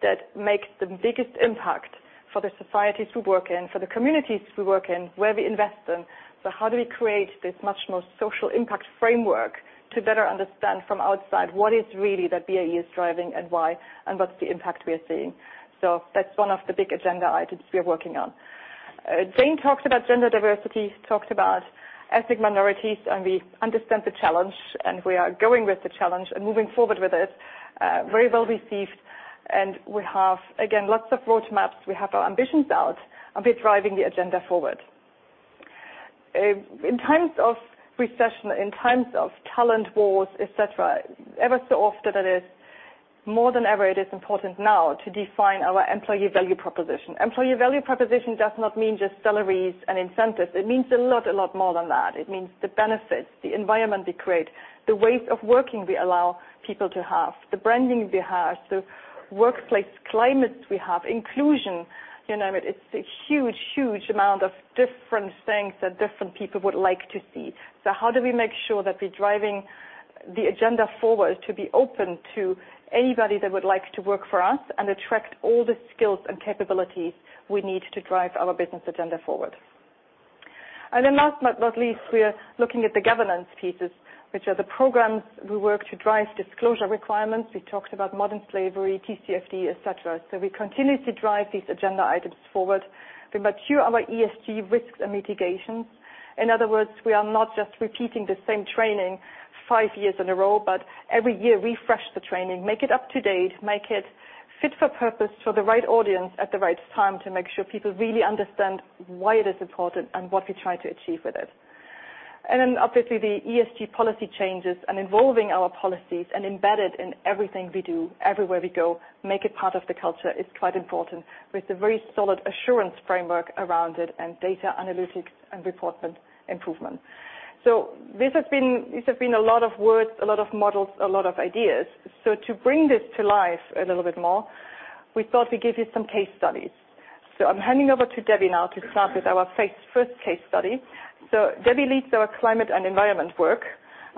that makes the biggest impact for the societies we work in, for the communities we work in, where we invest in? How do we create this much more social impact framework to better understand from outside what is really that BAE is driving and why, and what's the impact we are seeing. That's one of the big agenda items we are working on. Jane talked about gender diversity, talked about ethnic minorities, and we understand the challenge, and we are going with the challenge and moving forward with it. Very well received. We have, again, lots of roadmaps. We have our ambitions out, and we're driving the agenda forward. In times of recession, in times of talent wars, et cetera, ever so often it is more than ever it is important now to define our employee value proposition. Employee value proposition does not mean just salaries and incentives. It means a lot, a lot more than that. It means the benefits, the environment we create, the ways of working we allow people to have, the branding we have, the workplace climate we have, inclusion. It's a huge, huge amount of different things that different people would like to see. How do we make sure that we're driving the agenda forward to be open to anybody that would like to work for us and attract all the skills and capabilities we need to drive our business agenda forward? Then last but not least, we are looking at the governance pieces, which are the programs we work to drive disclosure requirements. We talked about modern slavery, TCFD, et cetera. We continue to drive these agenda items forward. We mature our ESG risks and mitigations. In other words, we are not just repeating the same training five years in a row, but every year refresh the training, make it up to date, make it fit for purpose for the right audience at the right time to make sure people really understand why it is important and what we try to achieve with it. Obviously, the ESG policy changes and involving our policies and embedded in everything we do, everywhere we go, make it part of the culture is quite important with a very solid assurance framework around it and data analytics and reporting improvement. This has been a lot of words, a lot of models, a lot of ideas. To bring this to life a little bit more, we thought we'd give you some case studies. I'm handing over to Debbie now to start with our first case study. Debbie leads our climate and environment work,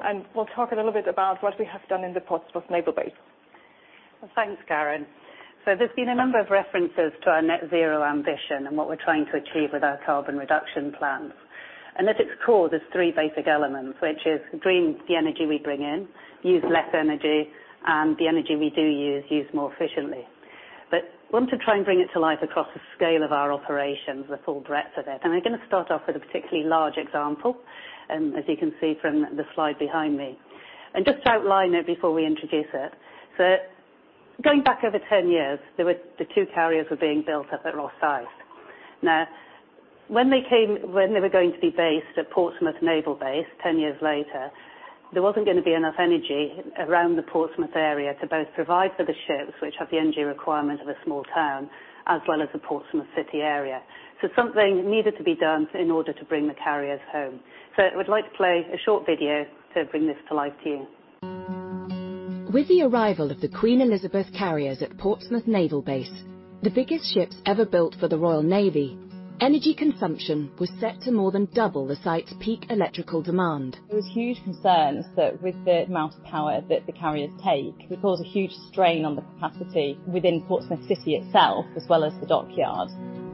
and we'll talk a little bit about what we have done in the Portsmouth Naval Base. Well, thanks, Karin. There's been a number of references to our net zero ambition and what we're trying to achieve with our carbon reduction plans. At its core, there's three basic elements, which is green, the energy we bring in, use less energy, and the energy we do use more efficiently. We want to try and bring it to life across the scale of our operations, the full breadth of it. We're gonna start off with a particularly large example, as you can see from the slide behind me. Just to outline it before we introduce it. Going back over 10 years, there were the two carriers being built up at Rosyth. Now, when they were going to be based at Portsmouth Naval Base, 10 years later, there wasn't gonna be enough energy around the Portsmouth area to both provide for the ships, which have the energy requirement of a small town, as well as the Portsmouth city area. Something needed to be done in order to bring the carriers home. I would like to play a short video to bring this to life to you. With the arrival of the Queen Elizabeth-class carriers at Portsmouth Naval Base, the biggest ships ever built for the Royal Navy, energy consumption was set to more than double the site's peak electrical demand. There was huge concerns that with the amount of power that the carriers take, it would cause a huge strain on the capacity within Portsmouth city itself, as well as the dockyard.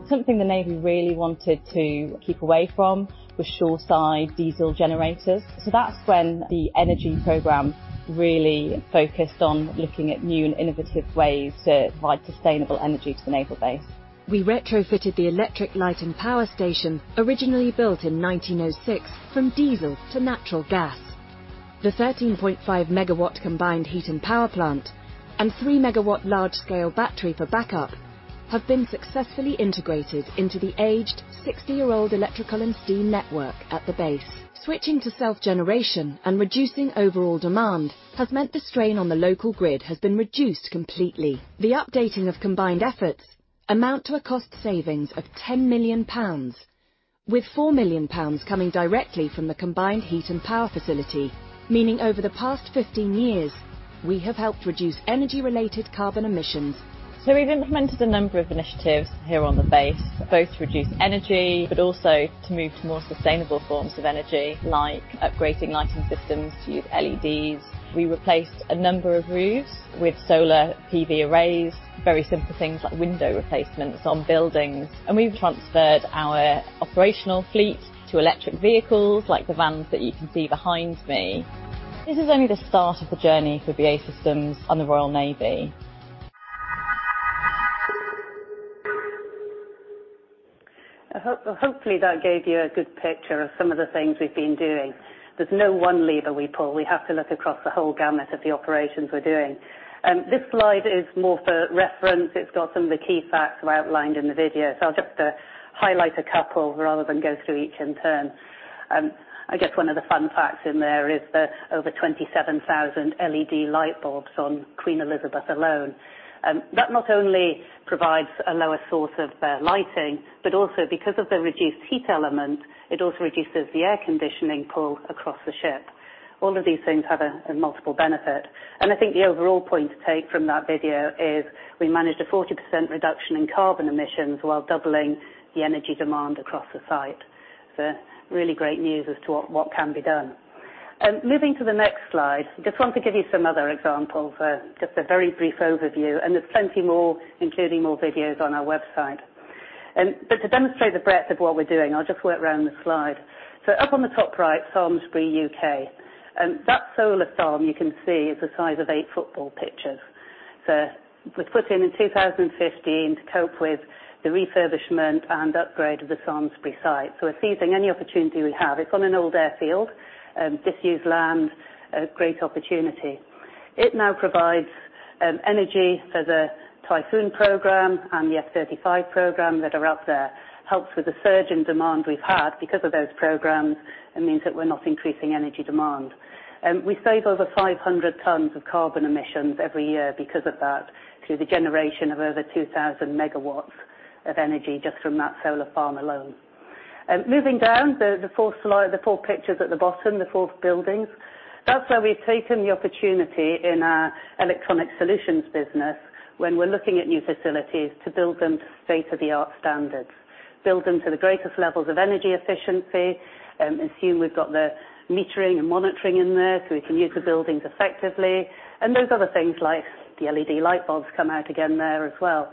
Something the Navy really wanted to keep away from was shoreside diesel generators. That's when the energy program really focused on looking at new and innovative ways to provide sustainable energy to the naval base. We retrofitted the electric light and power station, originally built in 1906, from diesel to natural gas. The 13.5 MW combined heat and power plant and 3 MW large-scale battery for backup have been successfully integrated into the aged 60-year-old electrical and steam network at the base. Switching to self-generation and reducing overall demand has meant the strain on the local grid has been reduced completely. The updating of combined efforts amount to a cost savings of 10 million pounds, with 4 million pounds coming directly from the combined heat and power facility, meaning over the past 15 years, we have helped reduce energy-related carbon emissions. We've implemented a number of initiatives here on the base, both to reduce energy, but also to move to more sustainable forms of energy, like upgrading lighting systems to use LEDs. We replaced a number of roofs with solar PV arrays, very simple things like window replacements on buildings. We've transferred our operational fleet to electric vehicles, like the vans that you can see behind me. This is only the start of the journey for BAE Systems and the Royal Navy. Hopefully, that gave you a good picture of some of the things we've been doing. There's no one lever we pull. We have to look across the whole gamut of the operations we're doing. This slide is more for reference. It's got some of the key facts we outlined in the video. I'll just highlight a couple rather than go through each in turn. I guess one of the fun facts in there is the over 27,000 LED light bulbs on Queen Elizabeth alone. That not only provides a lower source of lighting, but also because of the reduced heat element, it also reduces the air conditioning pull across the ship. All of these things have a multiple benefit. I think the overall point to take from that video is we managed a 40% reduction in carbon emissions while doubling the energy demand across the site. Really great news as to what can be done. Moving to the next slide, just want to give you some other examples, just a very brief overview, and there's plenty more, including more videos on our website. To demonstrate the breadth of what we're doing, I'll just work around the slide. Up on the top right, Samlesbury, UK. That solar farm you can see is the size of 8 football pitches. It was put in in 2015 to cope with the refurbishment and upgrade of the Samlesbury site. We're seizing any opportunity we have. It's on an old airfield, disused land, a great opportunity. It now provides energy for the Typhoon program and the F-35 program that are out there. Helps with the surge in demand we've had because of those programs. It means that we're not increasing energy demand. We save over 500 tons of carbon emissions every year because of that, due to the generation of over 2,000 megawatts of energy just from that solar farm alone. Moving down, the fourth slide, the fourth picture's at the bottom, the fourth building. That's where we've taken the opportunity in our electronic solutions business when we're looking at new facilities to build them to state-of-the-art standards, build them to the greatest levels of energy efficiency, assume we've got the metering and monitoring in there, so we can use the buildings effectively. Those other things like the LED light bulbs come out again there as well.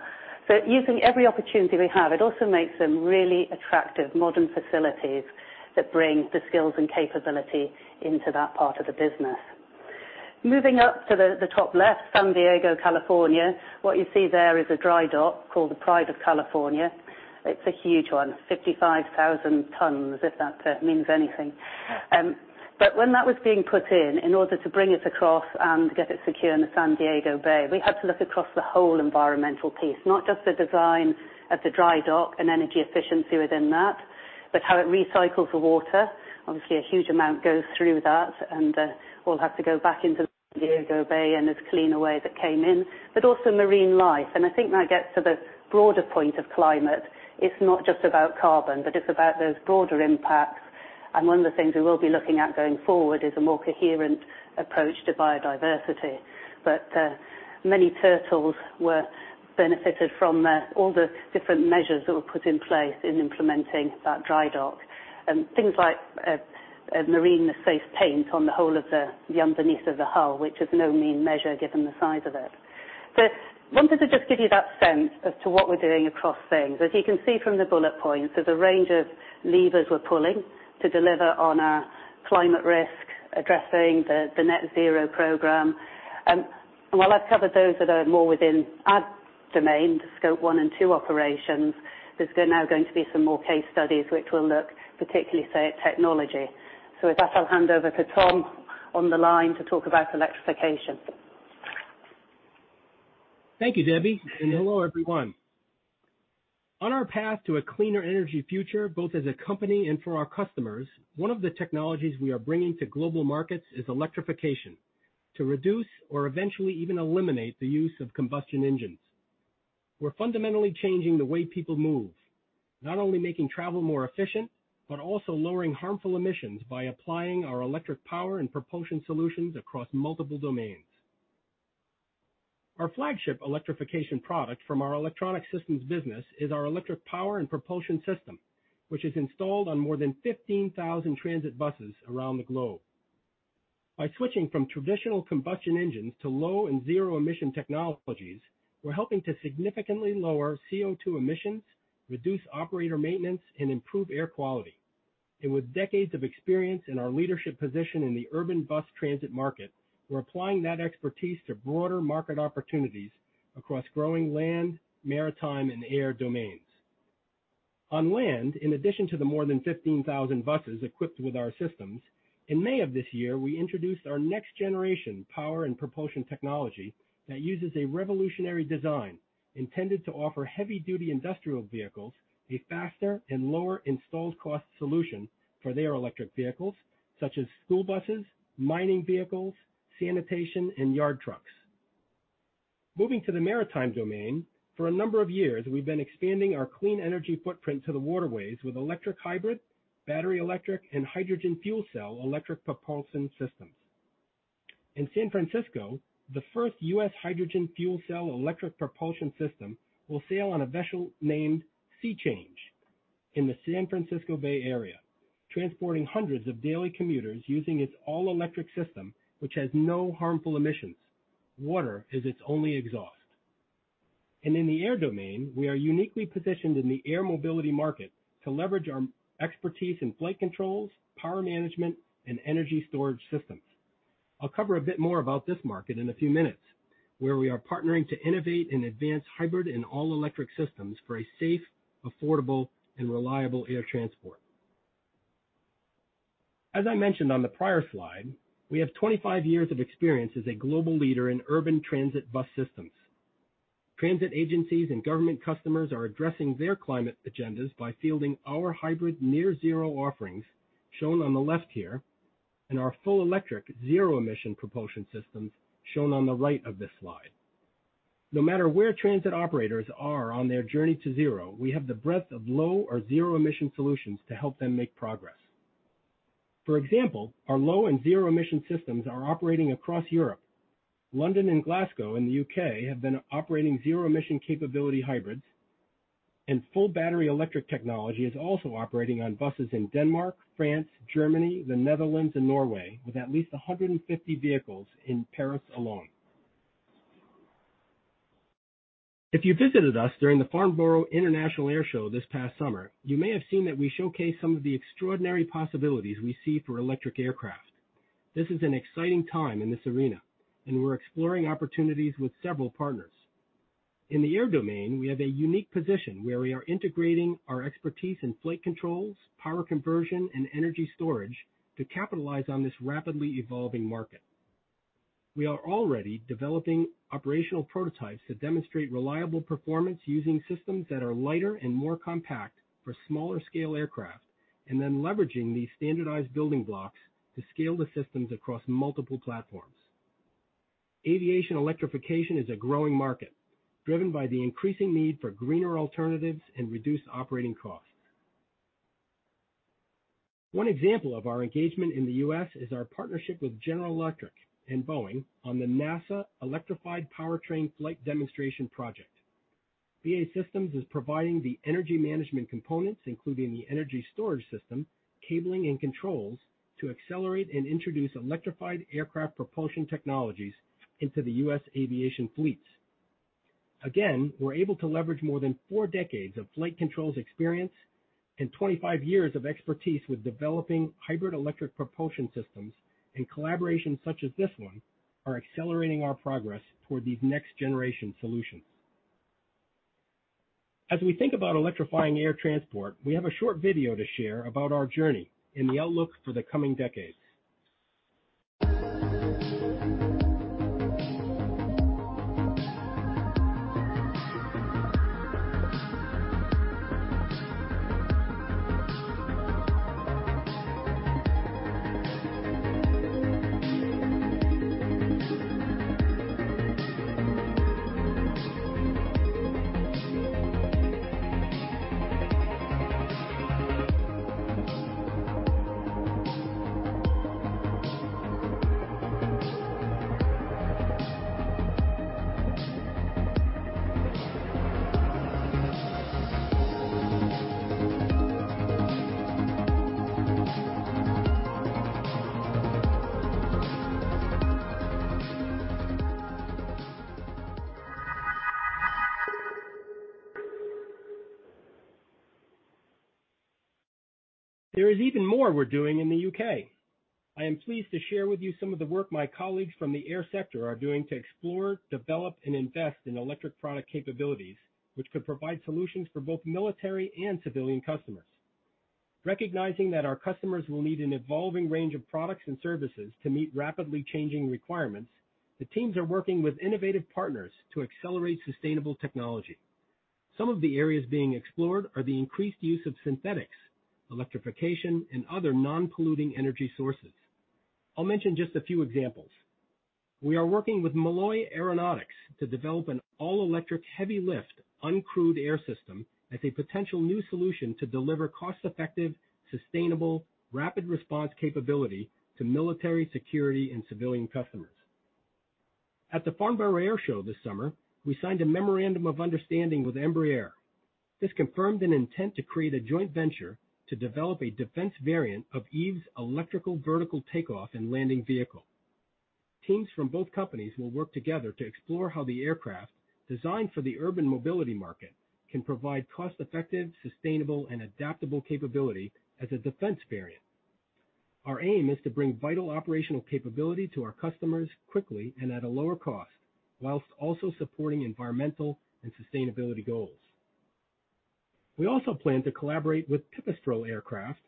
Using every opportunity we have. It also makes them really attractive modern facilities that bring the skills and capability into that part of the business. Moving up to the top left, San Diego, California. What you see there is a dry dock called the Pride of California. It's a huge one, 55,000 tons, if that means anything. When that was being put in order to bring it across and get it secure in the San Diego Bay, we had to look across the whole environmental piece. Not just the design of the dry dock and energy efficiency within that, but how it recycles the water. Obviously, a huge amount goes through that, and it all has to go back into San Diego Bay, and it's cleaner than what came in, but also marine life. I think that gets to the broader point of climate. It's not just about carbon, but it's about those broader impacts. One of the things we will be looking at going forward is a more coherent approach to biodiversity. Many turtles benefited from all the different measures that were put in place in implementing that dry dock. Things like marine safe paint on the whole of the underneath of the hull, which is no mean measure given the size of it. Wanted to just give you that sense as to what we're doing across things. As you can see from the bullet points, there's a range of levers we're pulling to deliver on our climate risk, addressing the net zero program. While I've covered those that are more within our domain, the Scope 1 and 2 operations, there's now going to be some more case studies which will look particularly say at technology. With that, I'll hand over to Tom on the line to talk about electrification. Thank you, Debbie, and hello everyone. On our path to a cleaner energy future, both as a company and for our customers, one of the technologies we are bringing to global markets is electrification, to reduce or eventually even eliminate the use of combustion engines. We're fundamentally changing the way people move, not only making travel more efficient, but also lowering harmful emissions by applying our electric power and propulsion solutions across multiple domains. Our flagship electrification product from our Electronic Systems business is our electric power and propulsion system, which is installed on more than 15,000 transit buses around the globe. By switching from traditional combustion engines to low and zero emission technologies, we're helping to significantly lower CO2 emissions, reduce operator maintenance, and improve air quality. With decades of experience in our leadership position in the urban bus transit market, we're applying that expertise to broader market opportunities across growing land, maritime, and air domains. On land, in addition to the more than 15,000 buses equipped with our systems, in May of this year, we introduced our next generation power and propulsion technology that uses a revolutionary design intended to offer heavy duty industrial vehicles a faster and lower installed cost solution for their electric vehicles such as school buses, mining vehicles, sanitation, and yard trucks. Moving to the maritime domain, for a number of years, we've been expanding our clean energy footprint to the waterways with electric hybrid, battery electric, and hydrogen fuel cell electric propulsion systems. In San Francisco, the first U.S. hydrogen fuel cell electric propulsion system will sail on a vessel named Sea Change in the San Francisco Bay Area, transporting hundreds of daily commuters using its all-electric system, which has no harmful emissions. Water is its only exhaust. In the air domain, we are uniquely positioned in the air mobility market to leverage our expertise in flight controls, power management, and energy storage systems. I'll cover a bit more about this market in a few minutes, where we are partnering to innovate and advance hybrid and all electric systems for a safe, affordable, and reliable air transport. As I mentioned on the prior slide, we have 25 years of experience as a global leader in urban transit bus systems. Transit agencies and government customers are addressing their climate agendas by fielding our hybrid near zero offerings shown on the left here, and our full electric zero emission propulsion systems shown on the right of this slide. No matter where transit operators are on their journey to zero, we have the breadth of low or zero emission solutions to help them make progress. For example, our low and zero emission systems are operating across Europe. London and Glasgow in the UK have been operating zero emission capability hybrids, and full battery electric technology is also operating on buses in Denmark, France, Germany, the Netherlands and Norway, with at least 150 vehicles in Paris alone. If you visited us during the Farnborough International Air Show this past summer, you may have seen that we showcase some of the extraordinary possibilities we see for electric aircraft. This is an exciting time in this arena, and we're exploring opportunities with several partners. In the air domain, we have a unique position where we are integrating our expertise in flight controls, power conversion, and energy storage to capitalize on this rapidly evolving market. We are already developing operational prototypes that demonstrate reliable performance using systems that are lighter and more compact for smaller scale aircraft, and then leveraging these standardized building blocks to scale the systems across multiple platforms. Aviation electrification is a growing market, driven by the increasing need for greener alternatives and reduced operating costs. One example of our engagement in the U.S. is our partnership with General Electric and Boeing on the NASA Electrified Powertrain Flight Demonstration Project. BAE Systems is providing the energy management components, including the energy storage system, cabling and controls, to accelerate and introduce electrified aircraft propulsion technologies into the U.S. aviation fleets. Again, we're able to leverage more than four decades of flight controls experience and 25 years of expertise with developing hybrid electric propulsion systems, and collaborations such as this one are accelerating our progress toward these next generation solutions. As we think about electrifying air transport, we have a short video to share about our journey and the outlook for the coming decades. There is even more we're doing in the U.K. I am pleased to share with you some of the work my colleagues from the air sector are doing to explore, develop, and invest in electric product capabilities, which could provide solutions for both military and civilian customers. Recognizing that our customers will need an evolving range of products and services to meet rapidly changing requirements, the teams are working with innovative partners to accelerate sustainable technology. Some of the areas being explored are the increased use of synthetics, electrification, and other non-polluting energy sources. I'll mention just a few examples. We are working with Malloy Aeronautics to develop an all-electric heavy lift, uncrewed air system as a potential new solution to deliver cost-effective, sustainable, rapid response capability to military security and civilian customers. At the Farnborough Airshow this summer, we signed a memorandum of understanding with Embraer. This confirmed an intent to create a joint venture to develop a defense variant of Eve's electrical vertical takeoff and landing vehicle. Teams from both companies will work together to explore how the aircraft designed for the urban mobility market can provide cost-effective, sustainable, and adaptable capability as a defense variant. Our aim is to bring vital operational capability to our customers quickly and at a lower cost, while also supporting environmental and sustainability goals. We also plan to collaborate with Pipistrel Aircraft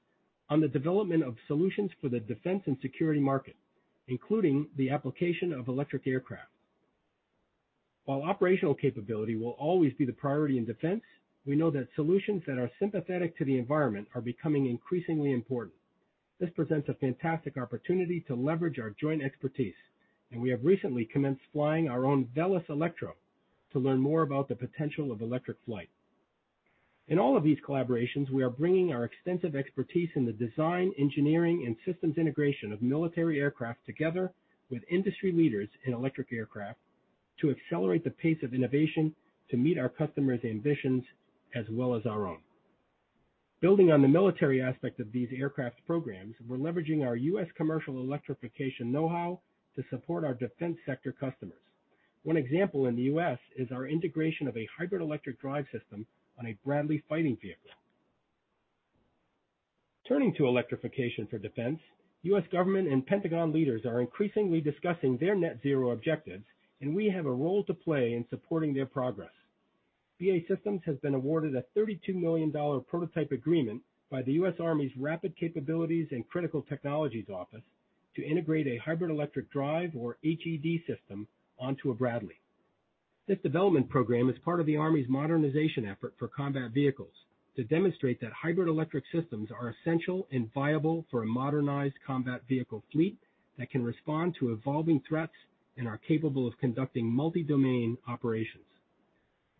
on the development of solutions for the defense and security market, including the application of electric aircraft. While operational capability will always be the priority in defense, we know that solutions that are sympathetic to the environment are becoming increasingly important. This presents a fantastic opportunity to leverage our joint expertise, and we have recently commenced flying our own Velis Electro to learn more about the potential of electric flight. In all of these collaborations, we are bringing our extensive expertise in the design, engineering, and systems integration of military aircraft together with industry leaders in electric aircraft to accelerate the pace of innovation to meet our customers' ambitions as well as our own. Building on the military aspect of these aircraft programs, we're leveraging our U.S. commercial electrification know-how to support our defense sector customers. One example in the U.S. is our integration of a hybrid electric drive system on a Bradley fighting vehicle. Turning to electrification for defense, U.S. government and Pentagon leaders are increasingly discussing their net zero objectives, and we have a role to play in supporting their progress. BAE Systems has been awarded a $32 million prototype agreement by the U.S. Army's Rapid Capabilities and Critical Technologies Office to integrate a hybrid electric drive or HED system onto a Bradley. This development program is part of the Army's modernization effort for combat vehicles to demonstrate that hybrid electric systems are essential and viable for a modernized combat vehicle fleet that can respond to evolving threats and are capable of conducting multi-domain operations.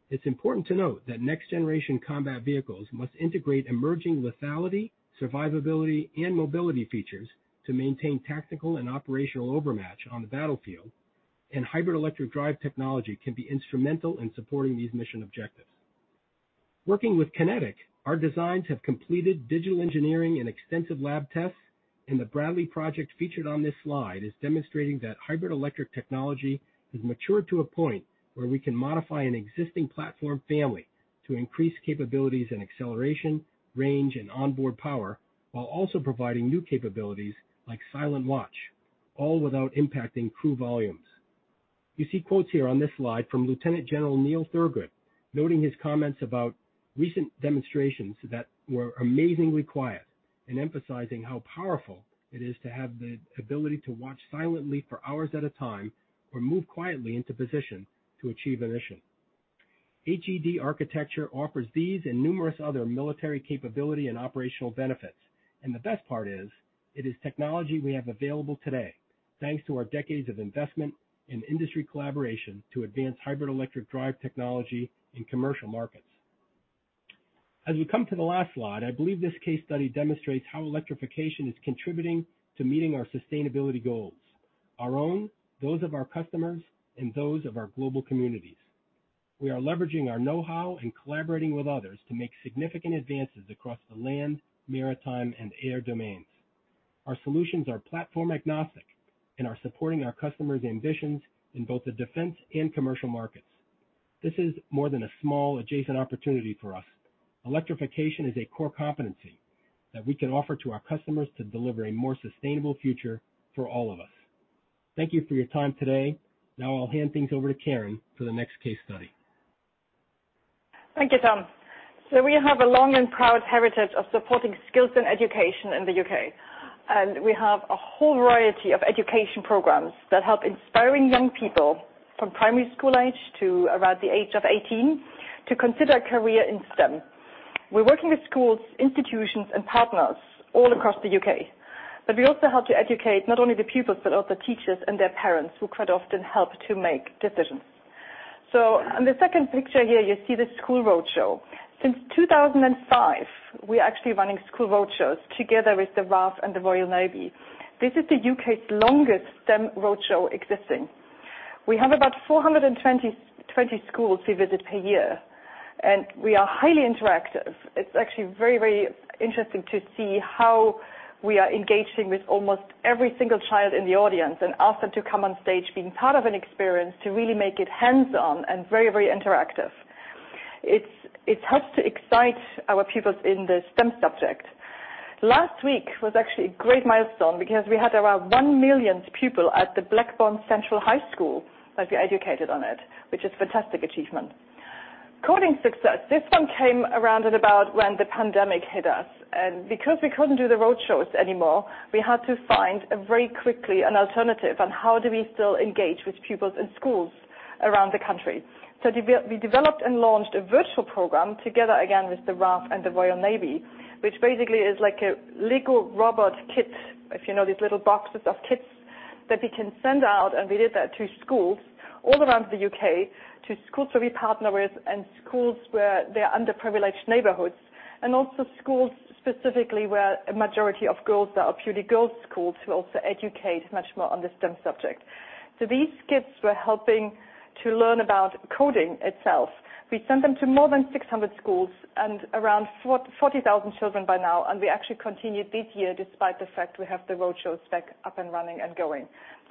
It's important to note that next generation combat vehicles must integrate emerging lethality, survivability, and mobility features to maintain tactical and operational overmatch on the battlefield, and hybrid electric drive technology can be instrumental in supporting these mission objectives. Working with QinetiQ, our designs have completed digital engineering and extensive lab tests, and the Bradley project featured on this slide is demonstrating that hybrid electric technology has matured to a point where we can modify an existing platform family to increase capabilities and acceleration, range, and onboard power, while also providing new capabilities like Silent Watch, all without impacting crew volumes. You see quotes here on this slide from Lieutenant General Neil Thurgood, noting his comments about recent demonstrations that were amazingly quiet and emphasizing how powerful it is to have the ability to watch silently for hours at a time or move quietly into position to achieve a mission. HED architecture offers these and numerous other military capability and operational benefits, and the best part is, it is technology we have available today, thanks to our decades of investment in industry collaboration to advance hybrid electric drive technology in commercial markets. As we come to the last slide, I believe this case study demonstrates how electrification is contributing to meeting our sustainability goals, our own, those of our customers, and those of our global communities. We are leveraging our know-how and collaborating with others to make significant advances across the land, maritime, and air domains. Our solutions are platform agnostic and are supporting our customers' ambitions in both the defense and commercial markets. This is more than a small adjacent opportunity for us. Electrification is a core competency that we can offer to our customers to deliver a more sustainable future for all of us. Thank you for your time today. Now I'll hand things over to Karn for the next case study. Thank you, Tom. We have a long and proud heritage of supporting skills and education in the UK, and we have a whole variety of education programs that help inspiring young people from primary school age to around the age of eighteen to consider a career in STEM. We're working with schools, institutions, and partners all across the UK. We also help to educate not only the pupils, but also teachers and their parents, who quite often help to make decisions. On the second picture here, you see the school roadshow. Since 2005, we're actually running school roadshows together with the RAF and the Royal Navy. This is the UK's longest STEM roadshow existing. We have about 420-20 schools we visit per year, and we are highly interactive. It's actually very, very interesting to see how we are engaging with almost every single child in the audience and ask them to come on stage, being part of an experience to really make it hands-on and very, very interactive. It helps to excite our pupils in the STEM subject. Last week was actually a great milestone because we had around 1 million pupils at Blackburn Central High School that we educated on it, which is fantastic achievement. Coding success. This one came around and about when the pandemic hit us. Because we couldn't do the roadshows anymore, we had to find very quickly an alternative on how we still engage with pupils in schools around the country. We developed and launched a virtual program together, again, with the RAF and the Royal Navy, which basically is like a Lego robot kit. If you know these little boxes of kits that we can send out, and we did that to schools all around the UK, to schools that we partner with and schools where they're underprivileged neighborhoods, and also schools specifically where a majority of girls are, purely girls schools, to also educate much more on the STEM subject. These kits were helping to learn about coding itself. We sent them to more than 600 schools and around 40,000 children by now, and we actually continued this year despite the fact we have the roadshows back up and running and going.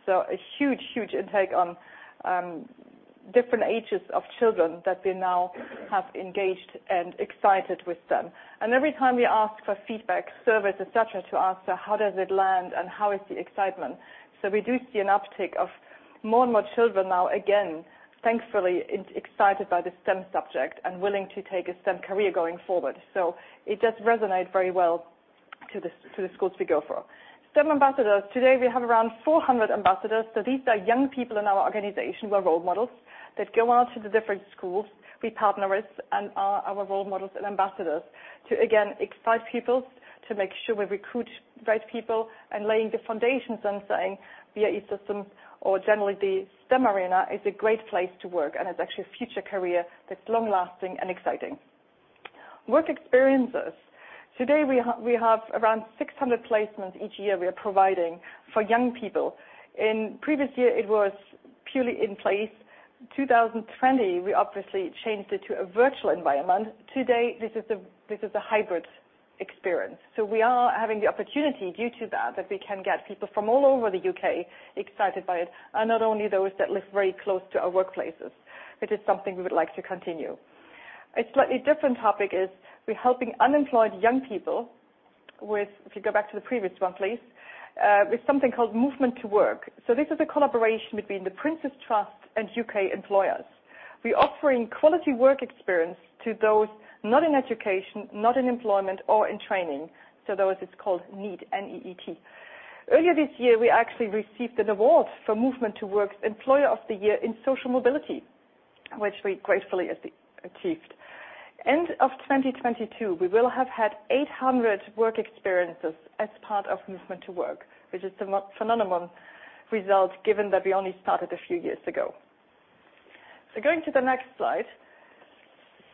A huge, huge intake on, different ages of children that we now have engaged and excited with them. Every time we ask for feedback, surveys, et cetera, to ask how does it land and how is the excitement. We do see an uptick of more and more children now, again, thankfully excited by the STEM subject and willing to take a STEM career going forward. It does resonate very well to the schools we go for. STEM ambassadors. Today, we have around 400 ambassadors. These are young people in our organization who are role models that go out to the different schools we partner with and are our role models and ambassadors to again, excite pupils, to make sure we recruit the right people and laying the foundations and saying BAE Systems or generally the STEM arena is a great place to work, and it's actually a future career that's long-lasting and exciting. Work experiences. Today, we have around 600 placements each year we are providing for young people. In previous year, it was purely in place. 2020, we obviously changed it to a virtual environment. Today, this is a hybrid experience. We are having the opportunity due to that we can get people from all over the UK excited by it, and not only those that live very close to our workplaces. It is something we would like to continue. A slightly different topic is we're helping unemployed young people with, if you go back to the previous one, please, with something called Movement to Work. This is a collaboration between the Prince's Trust and UK employers. We're offering quality work experience to those not in education, not in employment or in training. Those it's called NEET, N-E-E-T. Earlier this year, we actually received an award for Movement to Work's Employer of the Year in Social Mobility, which we gratefully achieved. End of 2022, we will have had 800 work experiences as part of Movement to Work, which is some phenomenal result given that we only started a few years ago. Going to the next slide.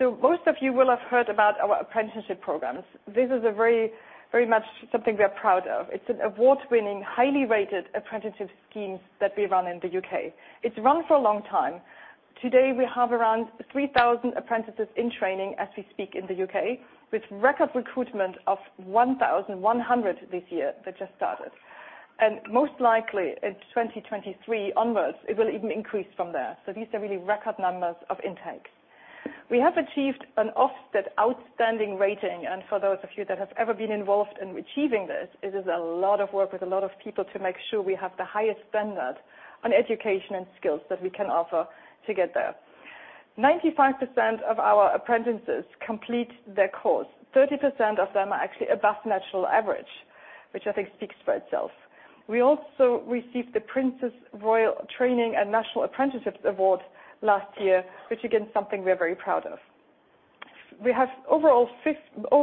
Most of you will have heard about our apprenticeship programs. This is a very, very much something we're proud of. It's an award-winning, highly rated apprenticeship schemes that we run in the UK. It's run for a long time. Today, we have around 3,000 apprentices in training as we speak in the UK, with record recruitment of 1,100 this year that just started. Most likely in 2023 onwards, it will even increase from there. These are really record numbers of intake. We have achieved an Ofsted Outstanding rating, and for those of you that have ever been involved in achieving this, it is a lot of work with a lot of people to make sure we have the highest standard on education and skills that we can offer to get there. 95% of our apprentices complete their course. 30% of them are actually above national average, which I think speaks for itself. We also received the Princess Royal Training Award last year, which again, something we're very proud of. We have overall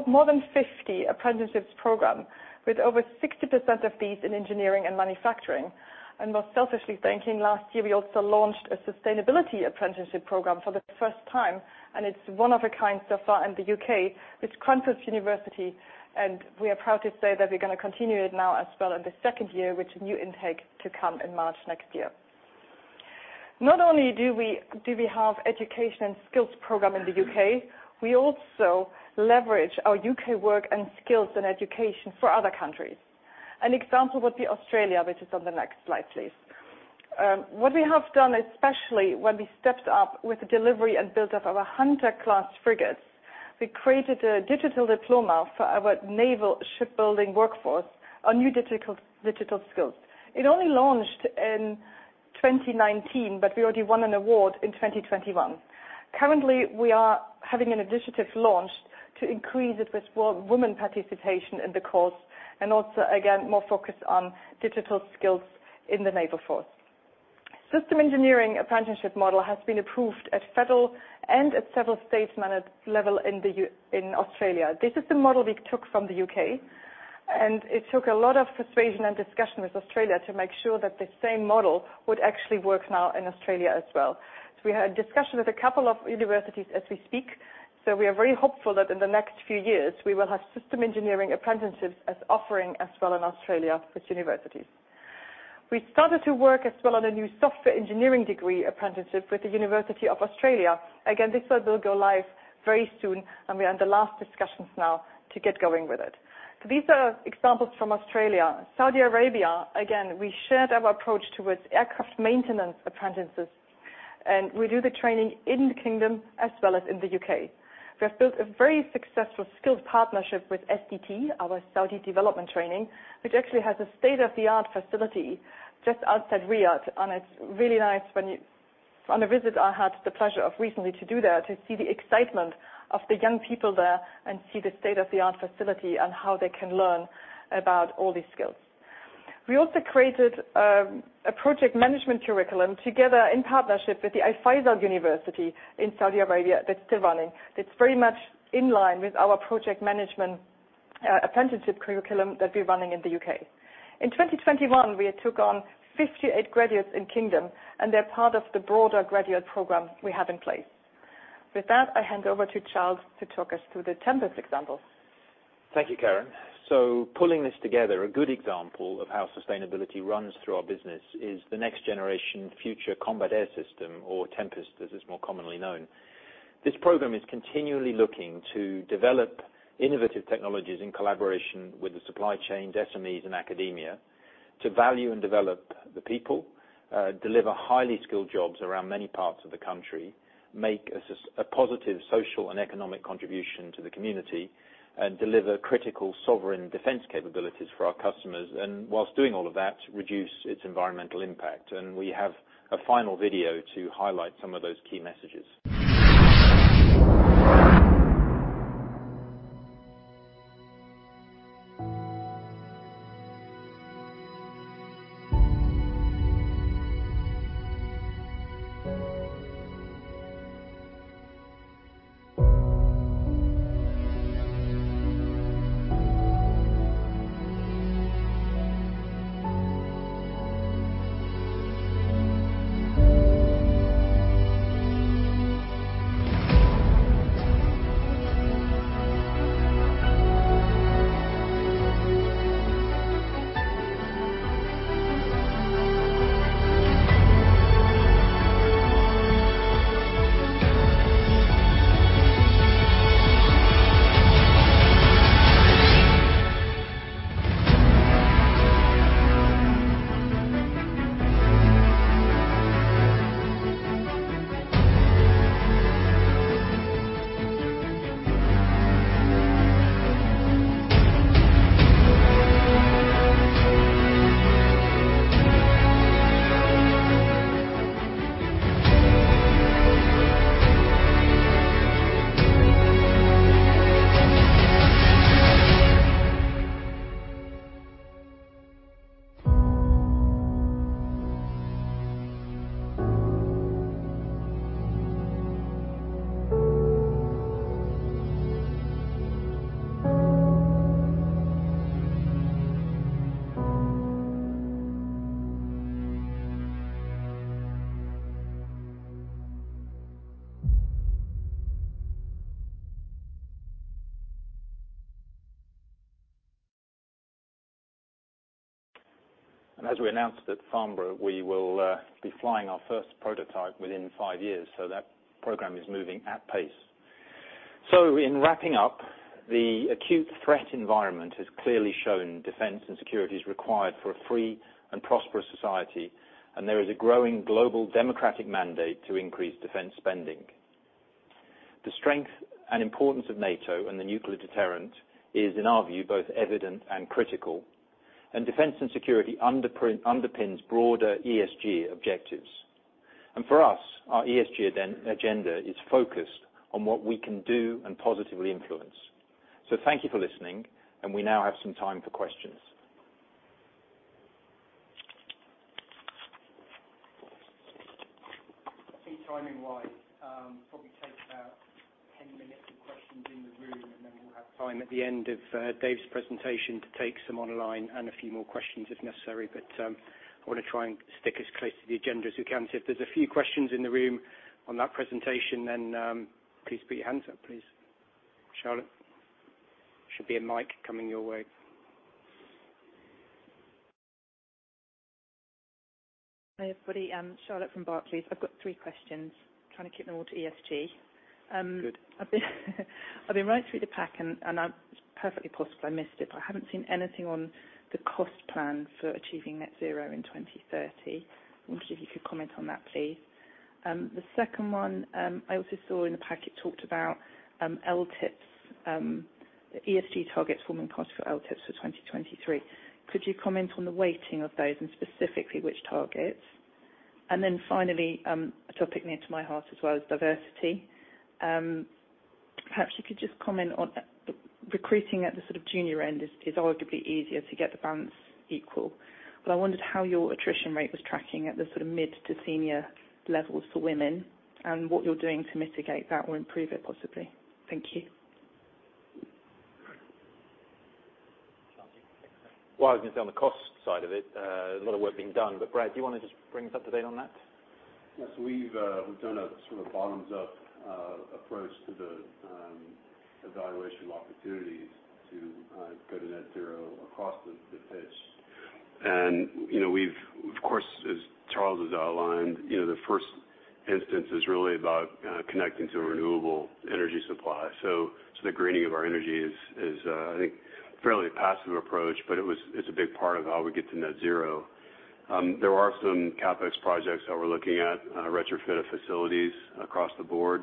more than 50 apprenticeships program, with over 60% of these in engineering and manufacturing. More selfishly thinking, last year, we also launched a sustainability apprenticeship program for the first time, and it's one of a kind so far in the UK with Cranfield University, and we are proud to say that we're gonna continue it now as well in the second year with new intake to come in March next year. Not only do we have education and skills program in the UK, we also leverage our UK work and skills and education for other countries. An example would be Australia, which is on the next slide, please. What we have done, especially when we stepped up with the delivery and build up of our Hunter Class frigates, we created a digital diploma for our naval shipbuilding workforce on new digital skills. It only launched in 2019, but we already won an award in 2021. Currently, we are having an initiative launched to increase it with women participation in the course, and also, again, more focus on digital skills in the naval force. Systems engineering apprenticeship model has been approved at federal and at several state mandate level in Australia. This is the model we took from the UK, and it took a lot of persuasion and discussion with Australia to make sure that the same model would actually work now in Australia as well. We had discussion with a couple of universities as we speak, so we are very hopeful that in the next few years, we will have systems engineering apprenticeships as offering as well in Australia with universities. We started to work as well on a new software engineering degree apprenticeship with the University of South Australia. Again, this will go live very soon, and we're in the last discussions now to get going with it. These are examples from Australia. Saudi Arabia, again, we shared our approach towards aircraft maintenance apprentices, and we do the training in the kingdom as well as in the UK. We have built a very successful skilled partnership with SDT, our Saudi Development & Training, which actually has a state-of-the-art facility just outside Riyadh. It's really nice. On a visit, I had the pleasure of recently to do that, to see the excitement of the young people there and see the state-of-the-art facility and how they can learn about all these skills. We also created a project management curriculum together in partnership with the Effat University in Saudi Arabia that's still running, that's very much in line with our project management apprenticeship curriculum that we're running in the UK. In 2021, we took on 58 graduates in Kingdom, and they're part of the broader graduate program we have in place. With that, I hand over to Charles to talk us through the Tempest example. Thank you, Karin. Pulling this together, a good example of how sustainability runs through our business is the next generation Future Combat Air System or Tempest, as it's more commonly known. This program is continually looking to develop innovative technologies in collaboration with the supply chain, SMEs, and academia to value and develop the people, deliver highly skilled jobs around many parts of the country, make a positive social and economic contribution to the community, and deliver critical sovereign defense capabilities for our customers, and while doing all of that, reduce its environmental impact. We have a final video to highlight some of those key messages. As we announced at Farnborough, we will be flying our first prototype within five years, so that program is moving at pace. In wrapping up, the acute threat environment has clearly shown defense and security is required for a free and prosperous society, and there is a growing global democratic mandate to increase defense spending. The strength and importance of NATO and the nuclear deterrent is, in our view, both evident and critical, and defense and security underpins broader ESG objectives. For us, our ESG agenda is focused on what we can do and positively influence. Thank you for listening, and we now have some time for questions. I think timing-wise, we'll probably take about 10 minutes of questions in the room, and then we'll have time at the end of Dave's presentation to take some online and a few more questions if necessary. I wanna try and stick as close to the agenda as we can. If there's a few questions in the room on that presentation, then please put your hands up, please. Charlotte? Should be a mic coming your way. Hi, everybody. I'm Charlotte from Barclays. I've got three questions, trying to keep them all to ESG. Good. I've been right through the pack and it's perfectly possible I missed it, but I haven't seen anything on the cost plan for achieving net zero in 2030. I wonder if you could comment on that, please. The second one, I also saw in the pack, it talked about LTIPS, the ESG targets forming part of our LTIPS for 2023. Could you comment on the weighting of those and specifically which targets? Finally, a topic near to my heart as well is diversity. Perhaps you could just comment on recruiting at the sort of junior end is arguably easier to get the balance equal. I wondered how your attrition rate was tracking at the sort of mid to senior levels for women and what you're doing to mitigate that or improve it possibly. Thank you. Well, I was gonna say on the cost side of it, a lot of work being done, but Brad, do you wanna just bring us up to date on that? Yes. We've done a sort of bottoms-up approach to the evaluation opportunities to go to net zero across the piece. You know, of course, as Charles has outlined, you know, the first instance is really about connecting to a renewable energy supply. The greening of our energy is, I think, a fairly passive approach, but it's a big part of how we get to net zero. There are some CapEx projects that we're looking at, retrofit of facilities across the board.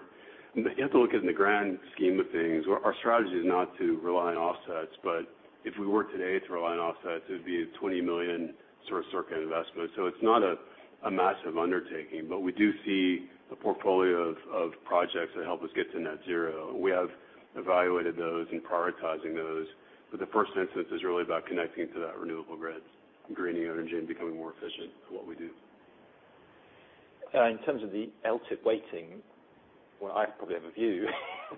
You have to look in the grand scheme of things. Our strategy is not to rely on offsets, but if we were today to rely on offsets, it would be a 20 million sort of circa investment. It's not a massive undertaking, but we do see a portfolio of projects that help us get to net zero. We have evaluated those and prioritizing those, but the first instance is really about connecting to that renewable grid, greening energy, and becoming more efficient at what we do. In terms of the LTIP weighting, well, I probably have a view,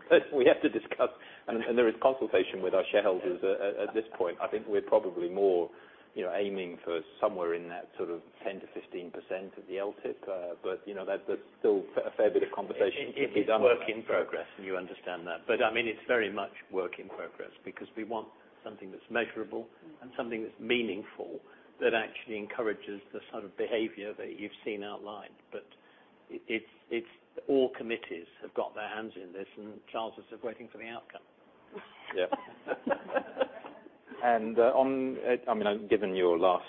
but we have to discuss and there is consultation with our shareholders at this point. I think we're probably more, you know, aiming for somewhere in that sort of 10%-15% of the LTIP. You know, there's still a fair bit of conversation to be done. It is work in progress, and you understand that. I mean, it's very much work in progress because we want something that's measurable and something that's meaningful that actually encourages the sort of behavior that you've seen outlined. It's all committees have got their hands in this, and Charles is waiting for the outcome. Yeah. I mean, given your last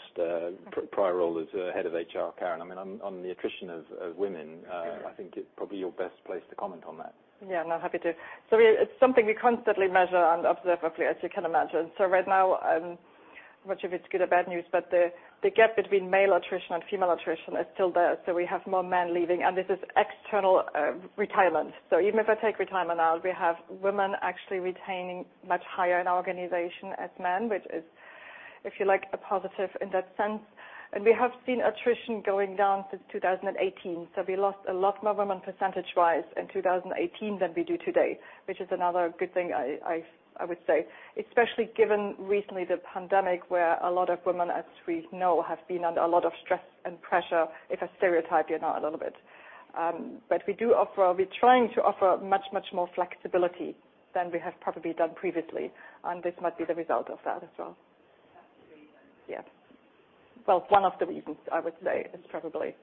prior role as head of HR, Karin, I mean, on the attrition of women, I think it's probably your best place to comment on that. Yeah. No, happy to. It's something we constantly measure and observe, as you can imagine. Right now, not sure if it's good or bad news, but the gap between male attrition and female attrition is still there. We have more men leaving, and this is external retirement. Even if I take retirement out, we have women actually retaining much higher in organization than men, which is, if you like, a positive in that sense. We have seen attrition going down since 2018. We lost a lot more women percentage-wise in 2018 than we do today, which is another good thing I would say, especially given recently the pandemic, where a lot of women, as we know, have been under a lot of stress and pressure, if I stereotype you now a little bit. We're trying to offer much, much more flexibility than we have probably done previously, and this might be the result of that as well. That's the reason. Yeah. Well, one of the reasons I would say is probably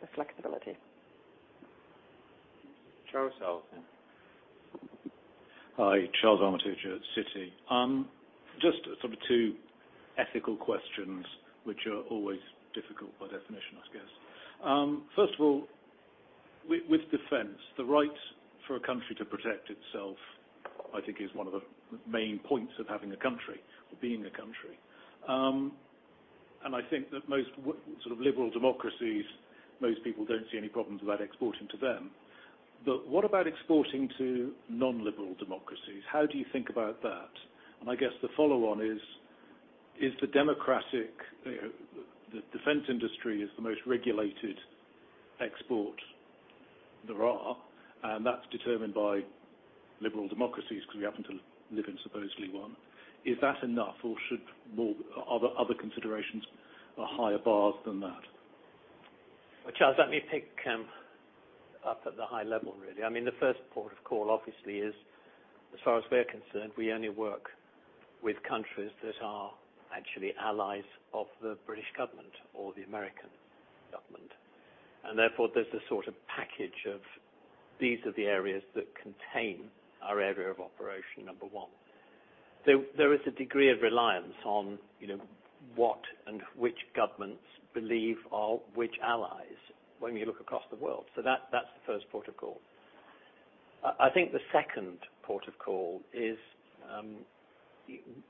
the flexibility. Charles. Hi. Charles Armitage at Citi. Just sort of two ethical questions which are always difficult by definition, I suppose. First of all, with defense, the right for a country to protect itself, I think, is one of the main points of having a country or being a country. I think that most sort of liberal democracies, most people don't see any problems with that exporting to them, but what about exporting to non-liberal democracies? How do you think about that? And I guess the follow on is, the democratic defense industry is the most regulated export there are, and that's determined by liberal democracies because we happen to live in supposedly one. Is that enough, or are the other considerations a higher bar than that? Well, Charles, let me pick up at the high level, really. I mean, the first port of call, obviously, is, as far as we're concerned, we only work with countries that are actually allies of the British government or the American government. Therefore, there's a sort of package of these are the areas that contain our area of operation, number one. There is a degree of reliance on, you know, what and which governments believe are which allies when you look across the world. That's the first port of call. I think the second port of call is,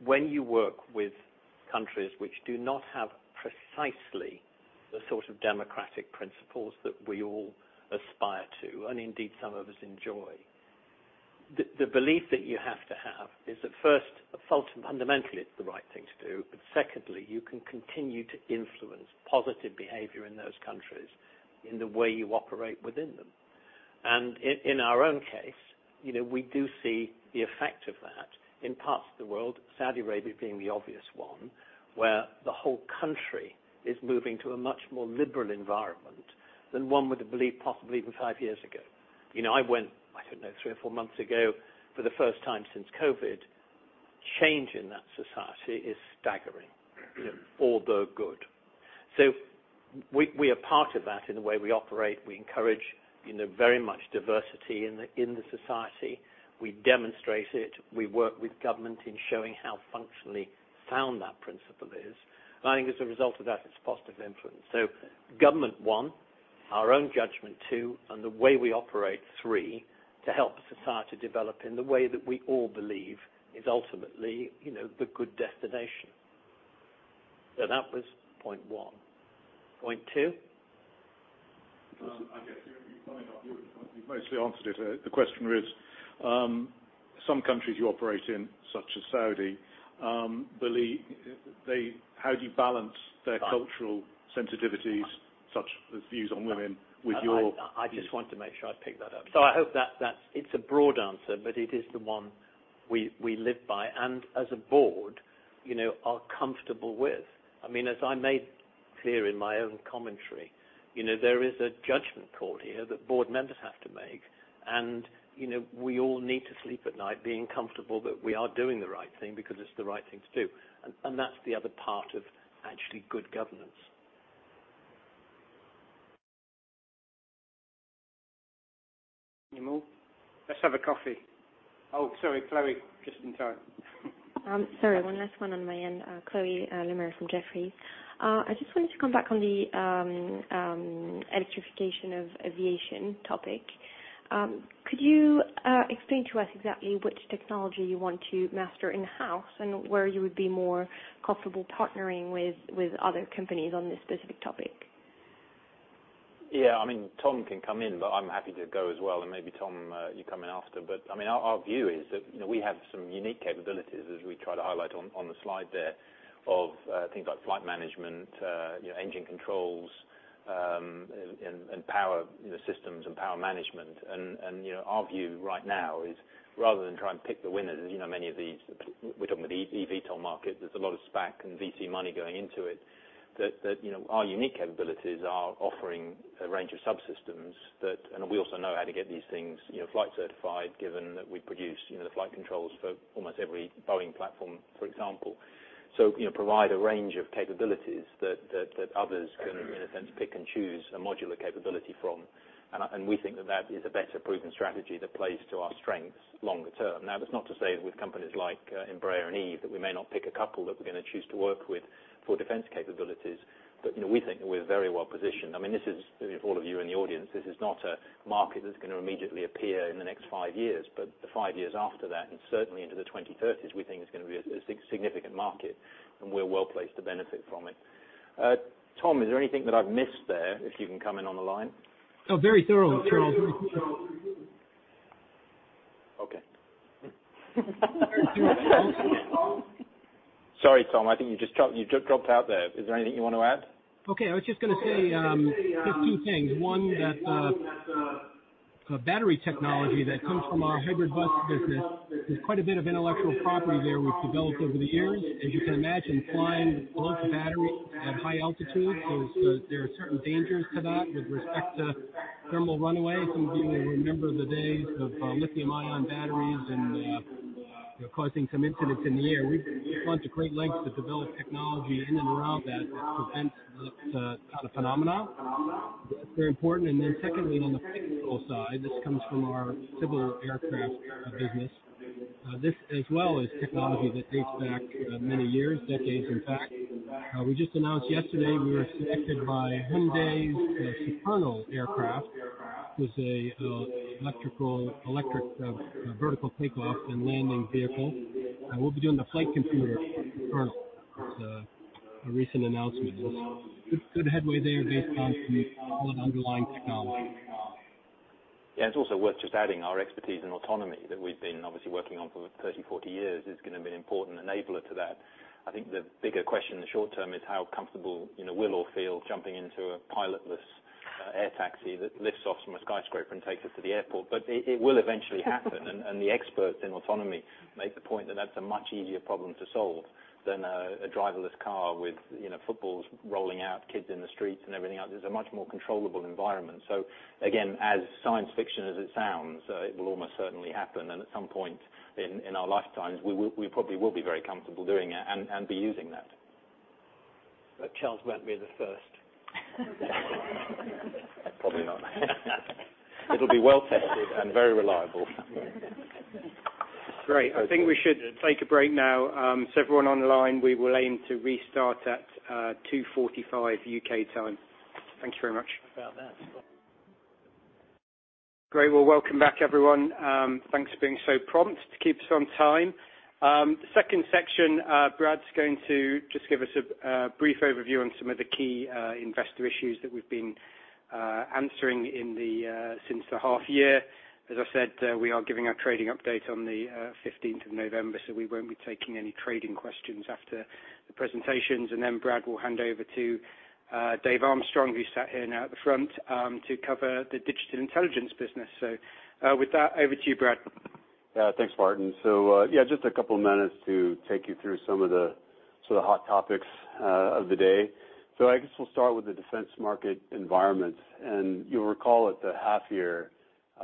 when you work with countries which do not have precisely the sort of democratic principles that we all aspire to, and indeed some of us enjoy, the belief that you have to have is that first, fundamentally, it's the right thing to do. Secondly, you can continue to influence positive behavior in those countries in the way you operate within them. In our own case, you know, we do see the effect of that in parts of the world, Saudi Arabia being the obvious one, where the whole country is moving to a much more liberal environment than one would believe possibly even five years ago. You know, I went, I don't know, three or four months ago for the first time since COVID. Change in that society is staggering, you know, although good. We are part of that in the way we operate. We encourage, you know, very much diversity in the society. We demonstrate it. We work with government in showing how functionally sound that principle is. I think as a result of that, it's positive influence. Government, one, our own judgment, two, and the way we operate, three, to help society develop in the way that we all believe is ultimately, you know, the good destination. That was point one. Point two? I guess you're coming off you, but you've mostly answered it. The question is, some countries you operate in, such as Saudi, believe they. How do you balance their cultural sensitivities, such as views on women, with your- I just want to make sure I pick that up. I hope that's. It's a broad answer, but it is the one we live by and as a board, you know, are comfortable with. I mean, as I made clear in my own commentary, you know, there is a judgment call here that board members have to make. We all need to sleep at night being comfortable that we are doing the right thing because it's the right thing to do. That's the other part of actually good governance. Any more? Let's have a coffee. Oh, sorry, Chloé. Just in time. Sorry, one last one on my end. Chloé Lemarié from Jefferies. I just wanted to come back on the electrification of aviation topic. Could you explain to us exactly which technology you want to master in-house and where you would be more comfortable partnering with other companies on this specific topic? Yeah. I mean, Tom can come in, but I'm happy to go as well. Maybe Tom, you come in after. I mean, our view is that, you know, we have some unique capabilities as we try to highlight on the slide there of things like flight management, you know, engine controls, and power, you know, systems and power management. You know, our view right now is rather than try and pick the winners, as you know, many of these, we're talking about the eVTOL market, there's a lot of SPAC and VC money going into it, that you know, our unique capabilities are offering a range of subsystems that. We also know how to get these things, you know, flight certified, given that we produce, you know, the flight controls for almost every Boeing platform, for example. You know, provide a range of capabilities that others can in a sense pick and choose a modular capability from. We think that is a better proven strategy that plays to our strengths longer term. Now, that's not to say with companies like Embraer and Eve that we may not pick a couple that we're gonna choose to work with for defense capabilities. You know, we think we're very well positioned. I mean, this is, you know, for all of you in the audience, this is not a market that's gonna immediately appear in the next five years, but the five years after that, and certainly into the 2030s, we think it's gonna be a significant market, and we're well placed to benefit from it. Tom, is there anything that I've missed there, if you can come in on the line? No, very thorough, Charles. Okay. Sorry, Tom, I think you just dropped out there. Is there anything you want to add? Okay. I was just gonna say just two things. One, that battery technology that comes from our hybrid bus business, there's quite a bit of intellectual property there we've developed over the years. As you can imagine, flying bulk battery at high altitude, there are certain dangers to that with respect to thermal runaway. Some of you may remember the days of lithium-ion batteries and you know, causing some incidents in the air. We've gone to great lengths to develop technology in and around that that prevents that kind of phenomena. That's very important. Then secondly, on the physical side, this comes from our civil aircraft business. This as well is technology that dates back many years, decades, in fact. We just announced yesterday we were selected by Hyundai's Supernal aircraft, which is an electric vertical takeoff and landing vehicle. We'll be doing the flight computer for Supernal. It's a recent announcement. There's good headway there based on some solid underlying technology. Yeah. It's also worth just adding our expertise in autonomy that we've been obviously working on for 30, 40 years is gonna be an important enabler to that. I think the bigger question in the short term is how comfortable, you know, we'll all feel jumping into a pilotless air taxi that lifts off from a skyscraper and takes us to the airport. It will eventually happen. The experts in autonomy make the point that that's a much easier problem to solve than a driverless car with, you know, footballs rolling out, kids in the streets and everything else. It's a much more controllable environment. Again, as science fiction as it sounds, it will almost certainly happen. At some point in our lifetimes, we probably will be very comfortable doing it and be using that. Charles won't be the first. Probably not. It'll be well tested and very reliable. Great. I think we should take a break now. Everyone online, we will aim to restart at 2:45 UK time. Thank you very much. How about that? Great. Well, welcome back, everyone. Thanks for being so prompt to keep us on time. Second section, Brad's going to just give us a brief overview on some of the key investor issues that we've been answering since the half year. As I said, we are giving our trading update on the fifteenth of November, so we won't be taking any trading questions after the presentations. Brad will hand over to David Armstrong, who's sat here now at the front, to cover the Digital Intelligence business. With that, over to you, Brad. Yeah. Thanks, Martin. Yeah, just a couple of minutes to take you through some of the sort of hot topics of the day. I guess we'll start with the defense market environment. You'll recall at the half year,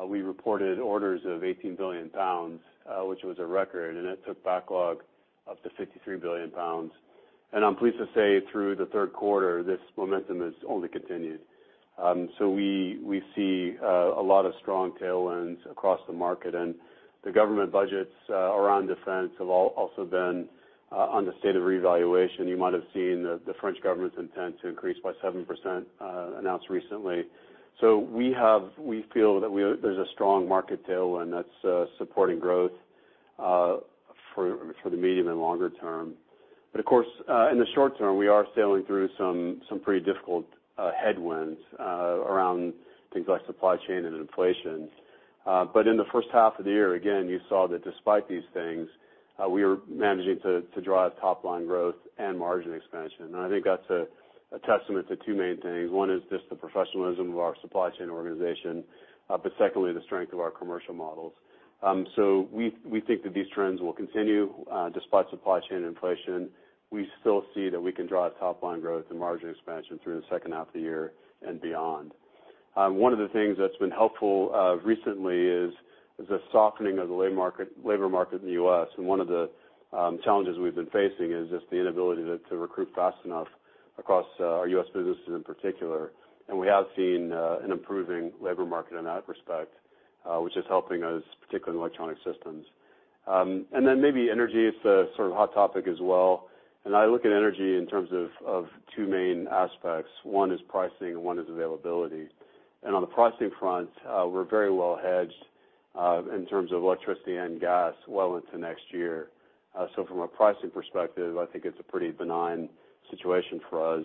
we reported orders of 18 billion pounds, which was a record, and it took backlog up to 53 billion pounds. I'm pleased to say through the third quarter, this momentum has only continued. We see a lot of strong tailwinds across the market. The government budgets around defense have also been under state of reevaluation. You might have seen the French government's intent to increase by 7% announced recently. We feel that there's a strong market tailwind that's supporting growth for the medium and longer term. Of course, in the short term, we are sailing through some pretty difficult headwinds around things like supply chain and inflation. In the first half of the year, again, you saw that despite these things, we are managing to drive top line growth and margin expansion. I think that's a testament to two main things. One is just the professionalism of our supply chain organization, but secondly, the strength of our commercial models. We think that these trends will continue despite supply chain inflation. We still see that we can drive top line growth and margin expansion through the second half of the year and beyond. One of the things that's been helpful recently is the softening of the labor market in the U.S. One of the challenges we've been facing is just the inability to recruit fast enough across our U.S. businesses in particular. We have seen an improving labor market in that respect, which is helping us, particularly in Electronic Systems. Maybe energy is the sort of hot topic as well. I look at energy in terms of two main aspects. One is pricing and one is availability. On the pricing front, we're very well hedged in terms of electricity and gas well into next year. From a pricing perspective, I think it's a pretty benign situation for us.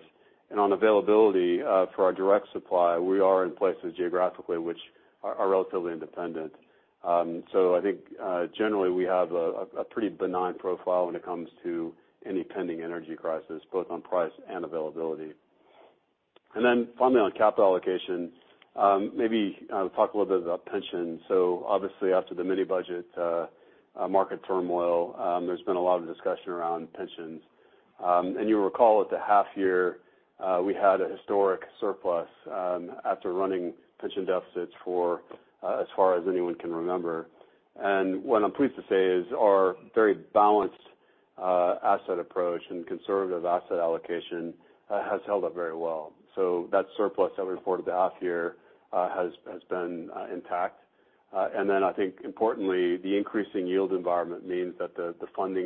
On availability, for our direct supply, we are in places geographically which are relatively independent. I think generally, we have a pretty benign profile when it comes to any pending energy crisis, both on price and availability. Finally, on capital allocation, maybe I'll talk a little bit about pensions. Obviously, after the mini budget, market turmoil, there's been a lot of discussion around pensions. You'll recall at the half year, we had a historic surplus after running pension deficits for as far as anyone can remember. What I'm pleased to say is our very balanced asset approach and conservative asset allocation has held up very well. That surplus that we reported the half year has been intact. I think importantly, the increasing yield environment means that the funding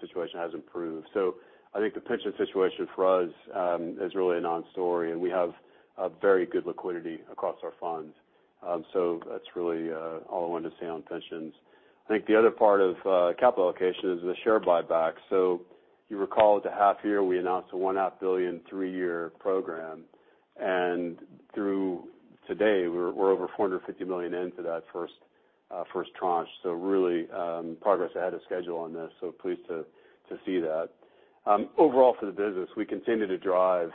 situation has improved. I think the pension situation for us is really a non-story, and we have a very good liquidity across our funds. That's really all I wanted to say on pensions. I think the other part of capital allocation is the share buyback. You recall at the half year, we announced a one half billion three-year program. Through today, we're over 450 million into that first tranche. Really, progress ahead of schedule on this, pleased to see that. Overall for the business, we continue to drive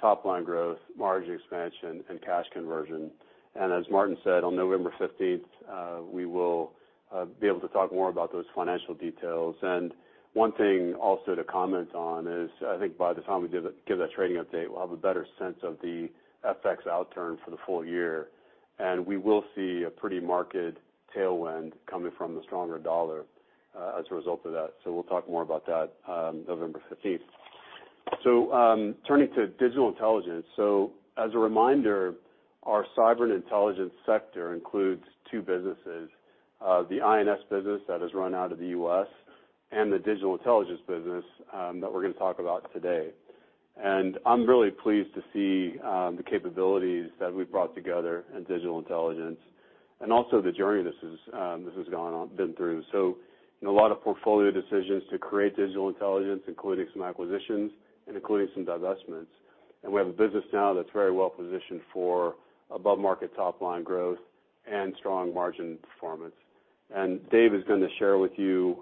top line growth, margin expansion, and cash conversion. As Martin said, on November fifteenth, we will be able to talk more about those financial details. One thing also to comment on is I think by the time we give that trading update, we'll have a better sense of the FX outturn for the full year, and we will see a pretty market tailwind coming from the stronger dollar as a result of that. We'll talk more about that November fifteenth. Turning to digital intelligence. As a reminder, our cyber and intelligence sector includes two businesses, the I&S business that is run out of the U.S. and the digital intelligence business that we're gonna talk about today. I'm really pleased to see the capabilities that we've brought together in digital intelligence and also the journey this has been through. You know, a lot of portfolio decisions to create digital intelligence, including some acquisitions and including some divestments. We have a business now that's very well positioned for above market top line growth and strong margin performance. Dave is gonna share with you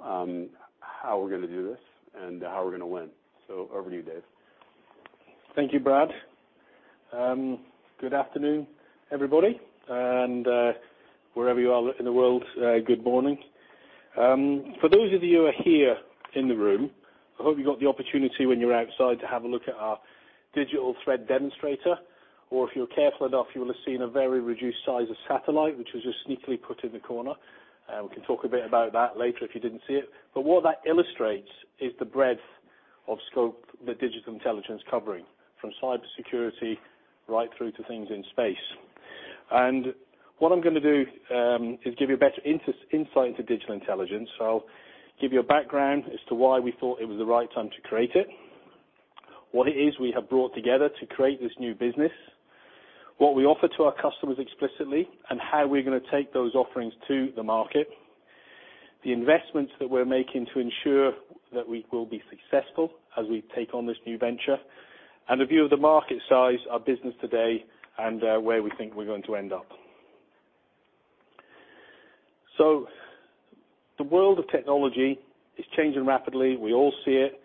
how we're gonna do this and how we're gonna win. Over to you, Dave. Thank you, Brad. Good afternoon, everybody. Wherever you are in the world, good morning. For those of you who are here in the room, I hope you got the opportunity when you're outside to have a look at our digital thread demonstrator, or if you're careful enough, you will have seen a very reduced size of satellite, which was just sneakily put in the corner. We can talk a bit about that later if you didn't see it. What that illustrates is the breadth of scope that digital intelligence covering, from cybersecurity right through to things in space. What I'm gonna do is give you a better insight into digital intelligence. I'll give you a background as to why we thought it was the right time to create it, what it is we have brought together to create this new business, what we offer to our customers explicitly, and how we're gonna take those offerings to the market, the investments that we're making to ensure that we will be successful as we take on this new venture, and a view of the market size, our business today, and where we think we're going to end up. The world of technology is changing rapidly. We all see it,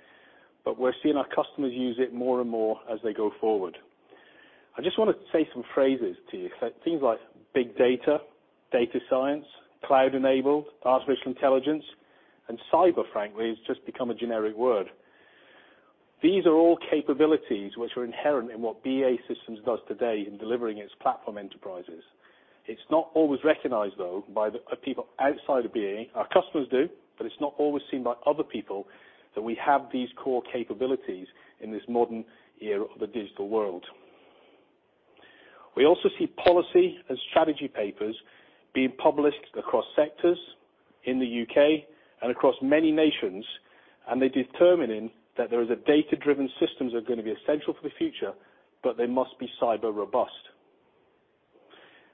but we're seeing our customers use it more and more as they go forward. I just wanna say some phrases to you. Things like big data science, cloud-enabled, artificial intelligence, and cyber, frankly, has just become a generic word. These are all capabilities which are inherent in what BAE Systems does today in delivering its platform enterprises. It's not always recognized, though, by the people outside of BAE. Our customers do, but it's not always seen by other people that we have these core capabilities in this modern era of the digital world. We also see policy and strategy papers being published across sectors in the U.K. and across many nations, and they're determining that there is a data-driven systems that are gonna be essential for the future, but they must be cyber robust.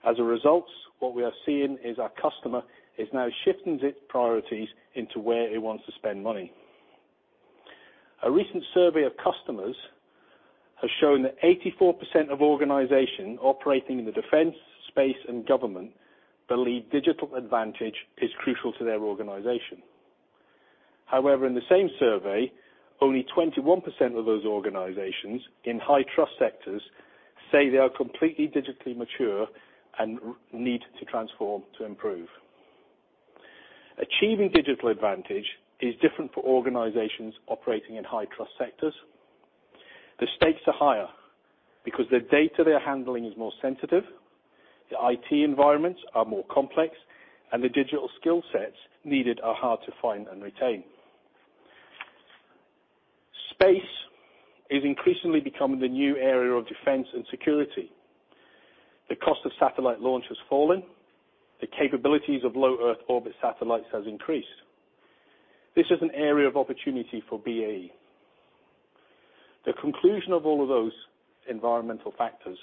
As a result, what we are seeing is our customer is now shifting its priorities into where it wants to spend money. A recent survey of customers has shown that 84% of organizations operating in the defense, space, and government believe digital advantage is crucial to their organization. However, in the same survey, only 21% of those organizations in high-trust sectors say they are completely digitally mature and need to transform to improve. Achieving digital advantage is different for organizations operating in high-trust sectors. The stakes are higher because the data they're handling is more sensitive, the IT environments are more complex, and the digital skill sets needed are hard to find and retain. Space is increasingly becoming the new area of defense and security. The cost of satellite launch has fallen. The capabilities of low Earth orbit satellites has increased. This is an area of opportunity for BAE. The conclusion of all of those environmental factors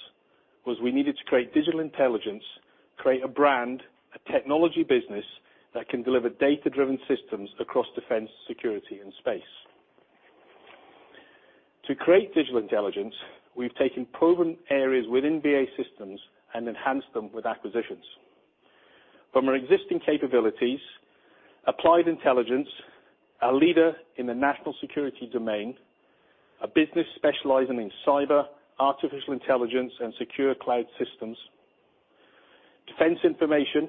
was we needed to create Digital Intelligence, create a brand, a technology business that can deliver data-driven systems across defense, security, and space. To create Digital Intelligence, we've taken proven areas within BAE Systems and enhanced them with acquisitions. From our existing capabilities, Applied Intelligence, a leader in the national security domain, a business specializing in cyber, artificial intelligence, and secure cloud systems. Defense Information,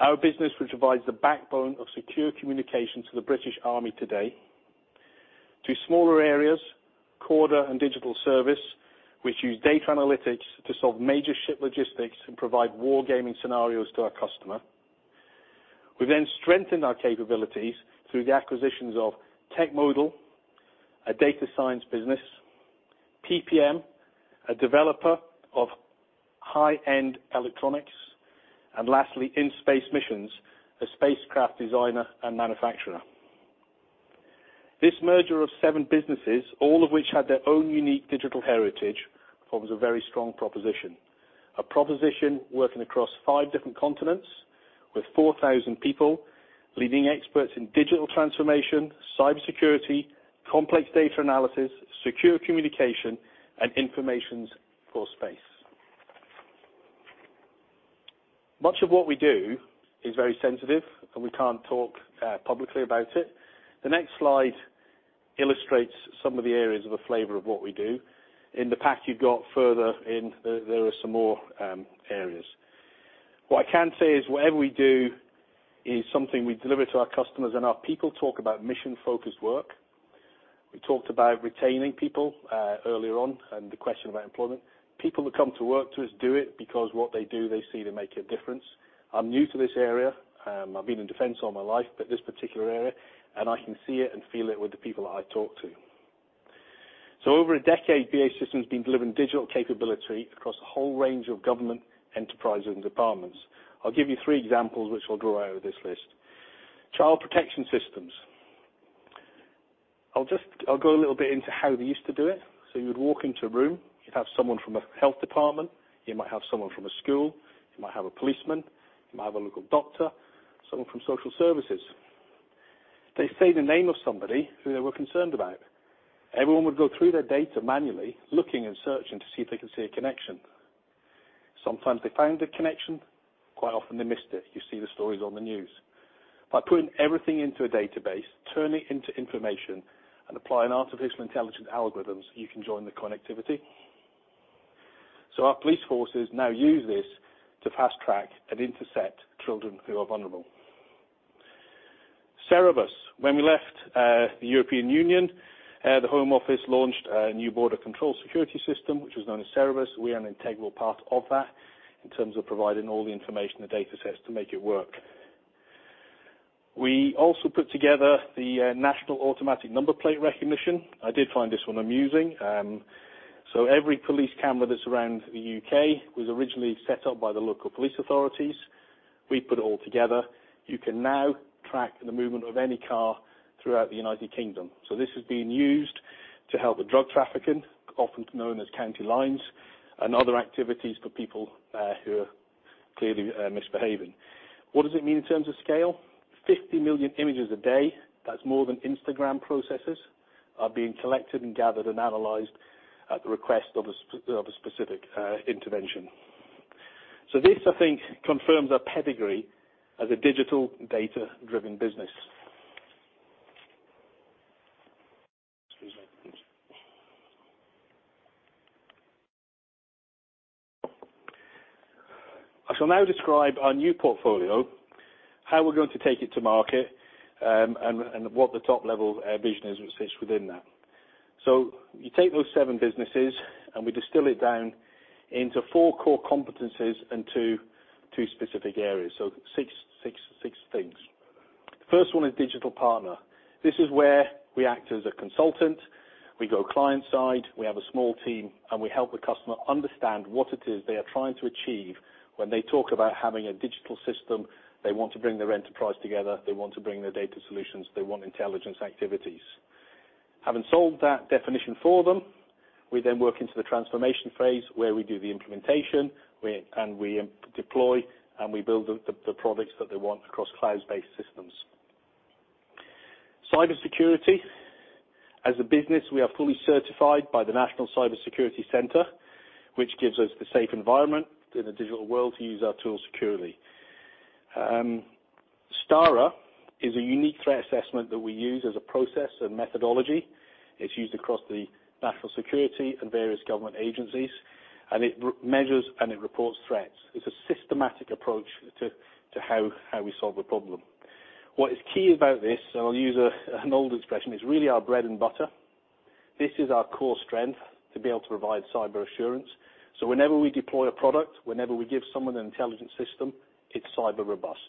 our business which provides the backbone of secure communication to the British Army today. To smaller areas, CORDA and Digital Service, which use data analytics to solve major ship logistics and provide wargaming scenarios to our customer. We strengthened our capabilities through the acquisitions of Techmodal, a data science business, PPM, a developer of high-end electronics, and lastly, In-Space Missions, a spacecraft designer and manufacturer. This merger of 7 businesses, all of which had their own unique digital heritage, forms a very strong proposition. A proposition working across 5 different continents with 4,000 people, leading experts in digital transformation, cybersecurity, complex data analysis, secure communication, and information systems for space. Much of what we do is very sensitive, and we can't talk publicly about it. The next slide illustrates some of the areas of a flavor of what we do. In the pack you've got further in, there are some more areas. What I can say is whatever we do is something we deliver to our customers, and our people talk about mission-focused work. We talked about retaining people earlier on and the question about employment. People who come to work to us do it because what they do, they see they make a difference. I'm new to this area. I've been in defense all my life, but this particular area, and I can see it and feel it with the people I talk to. Over a decade, BAE Systems has been delivering digital capability across a whole range of government enterprises and departments. I'll give you three examples which will draw out of this list. Child protection systems. I'll go a little bit into how they used to do it. You'd walk into a room. You'd have someone from a health department. You might have someone from a school. You might have a policeman. You might have a local doctor, someone from social services. They say the name of somebody who they were concerned about. Everyone would go through their data manually, looking and searching to see if they can see a connection. Sometimes they found a connection. Quite often, they missed it. You see the stories on the news. By putting everything into a database, turn it into information, and applying artificial intelligence algorithms, you can join the connectivity. Our police forces now use this to fast-track and intercept children who are vulnerable. Cerberus. When we left the European Union, the Home Office launched a new border control security system, which was known as Cerberus. We are an integral part of that in terms of providing all the information, the data sets to make it work. We also put together the national automatic number plate recognition. I did find this one amusing. Every police camera that's around the U.K. was originally set up by the local police authorities. We put it all together. You can now track the movement of any car throughout the United Kingdom. This is being used to help with drug trafficking, often known as county lines, and other activities for people who are clearly misbehaving. What does it mean in terms of scale? 50 million images a day, that's more than Instagram processes, are being collected and gathered and analyzed at the request of a specific intervention. This, I think, confirms our pedigree as a digital data-driven business. Excuse me. I shall now describe our new portfolio, how we're going to take it to market, and what the top-level vision is which fits within that. You take those seven businesses and we distill it down into four core competencies and two specific areas. Six things. First one is digital partner. This is where we act as a consultant. We go client-side, we have a small team, and we help the customer understand what it is they are trying to achieve when they talk about having a digital system. They want to bring their enterprise together. They want to bring their data solutions. They want intelligence activities. Having solved that definition for them, we then work into the transformation phase where we do the implementation and we deploy, and we build the products that they want across cloud-based systems. Cybersecurity. As a business, we are fully certified by the National Cyber Security Centre, which gives us the safe environment in the digital world to use our tools securely. STARA is a unique threat assessment that we use as a process and methodology. It's used across the national security and various government agencies, and it measures and it reports threats. It's a systematic approach to how we solve a problem. What is key about this, and I'll use an old expression, it's really our bread and butter. This is our core strength to be able to provide cyber assurance. Whenever we deploy a product, whenever we give someone an intelligent system, it's cyber robust.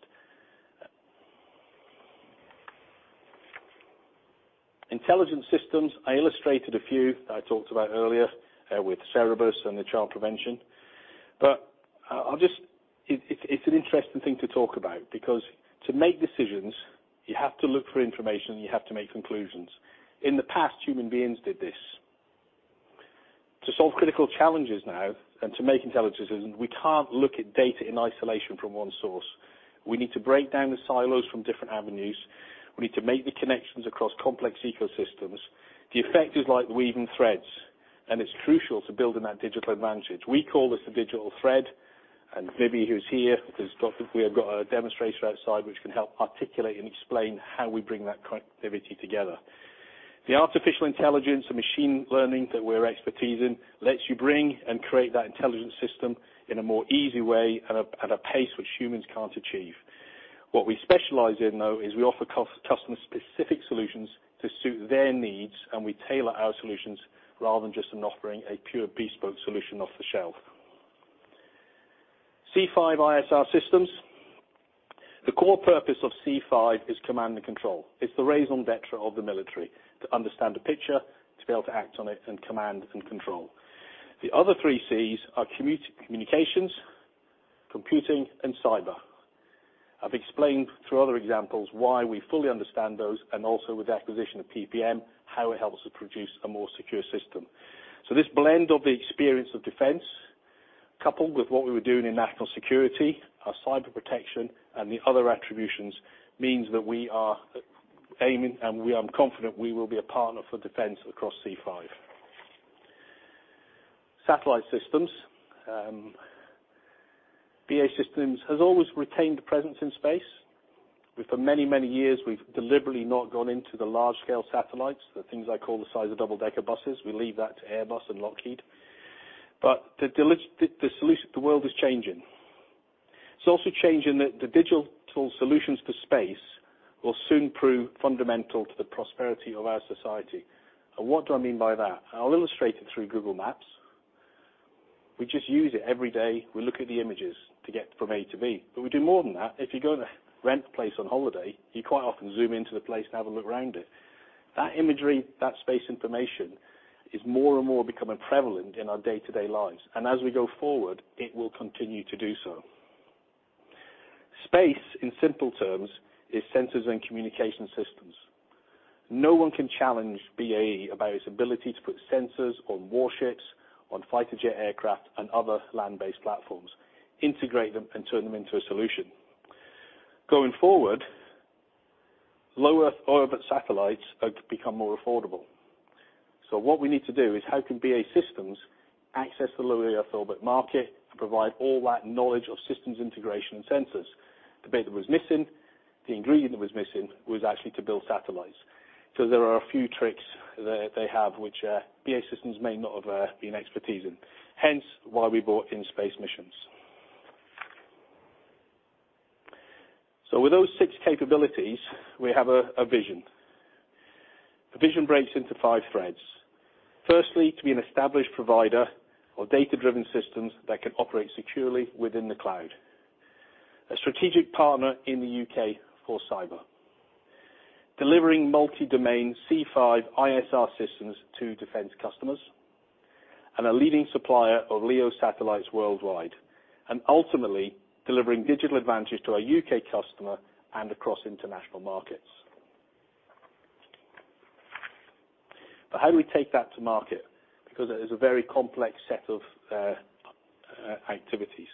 Intelligent systems, I illustrated a few that I talked about earlier, with Cerberus and the child protection. It's an interesting thing to talk about because to make decisions, you have to look for information, you have to make conclusions. In the past, human beings did this. To solve critical challenges now and to make intelligent decisions, we can't look at data in isolation from one source. We need to break down the silos from different avenues. We need to make the connections across complex ecosystems. The effect is like weaving threads, and it's crucial to building that digital advantage. We call this the digital thread, and Vivi, who's here, we have got a demonstrator outside which can help articulate and explain how we bring that connectivity together. The artificial intelligence and machine learning that we're expertising lets you bring and create that intelligent system in a more easy way and at a pace which humans can't achieve. What we specialize in, though, is we offer customer specific solutions to suit their needs, and we tailor our solutions rather than just offering a pure bespoke solution off the shelf. C5ISR systems. The core purpose of C5 is command and control. It's the raison d'être of the military, to understand the picture, to be able to act on it, and command and control. The other three Cs are communications, computing, and cyber. I've explained through other examples why we fully understand those and also with the acquisition of PPM, how it helps us produce a more secure system. This blend of the experience of defense, coupled with what we were doing in national security, our cyber protection, and the other attributions, means that we are aiming, and I'm confident we will be a partner for defense across C5. Satellite systems. BAE Systems has always retained a presence in space. For many, many years, we've deliberately not gone into the large-scale satellites, the things I call the size of double-decker buses. We leave that to Airbus and Lockheed. The world is changing. It's also changing the digital solutions to space will soon prove fundamental to the prosperity of our society. What do I mean by that? I'll illustrate it through Google Maps. We just use it every day. We look at the images to get from A to B. We do more than that. If you go to rent a place on holiday, you quite often zoom into the place to have a look around it. That imagery, that space information, is more and more becoming prevalent in our day-to-day lives. As we go forward, it will continue to do so. Space, in simple terms, is sensors and communication systems. No one can challenge BAE about its ability to put sensors on warships, on fighter jet aircraft and other land-based platforms, integrate them and turn them into a solution. Going forward, low Earth orbit satellites have become more affordable. What we need to do is how can BAE Systems access the low Earth orbit market to provide all that knowledge of systems integration and sensors? The bit that was missing, the ingredient that was missing, was actually to build satellites 'cause there are a few tricks that they have which, BAE Systems may not have, been expertising, hence why we bought In-Space Missions. With those six capabilities, we have a vision. The vision breaks into five threads. Firstly, to be an established provider of data-driven systems that can operate securely within the cloud, a strategic partner in the U.K. for cyber, delivering multi-domain C5ISR systems to defense customers, and a leading supplier of LEO satellites worldwide, and ultimately, delivering digital advantage to our U.K. customer and across international markets. How do we take that to market? Because it is a very complex set of activities.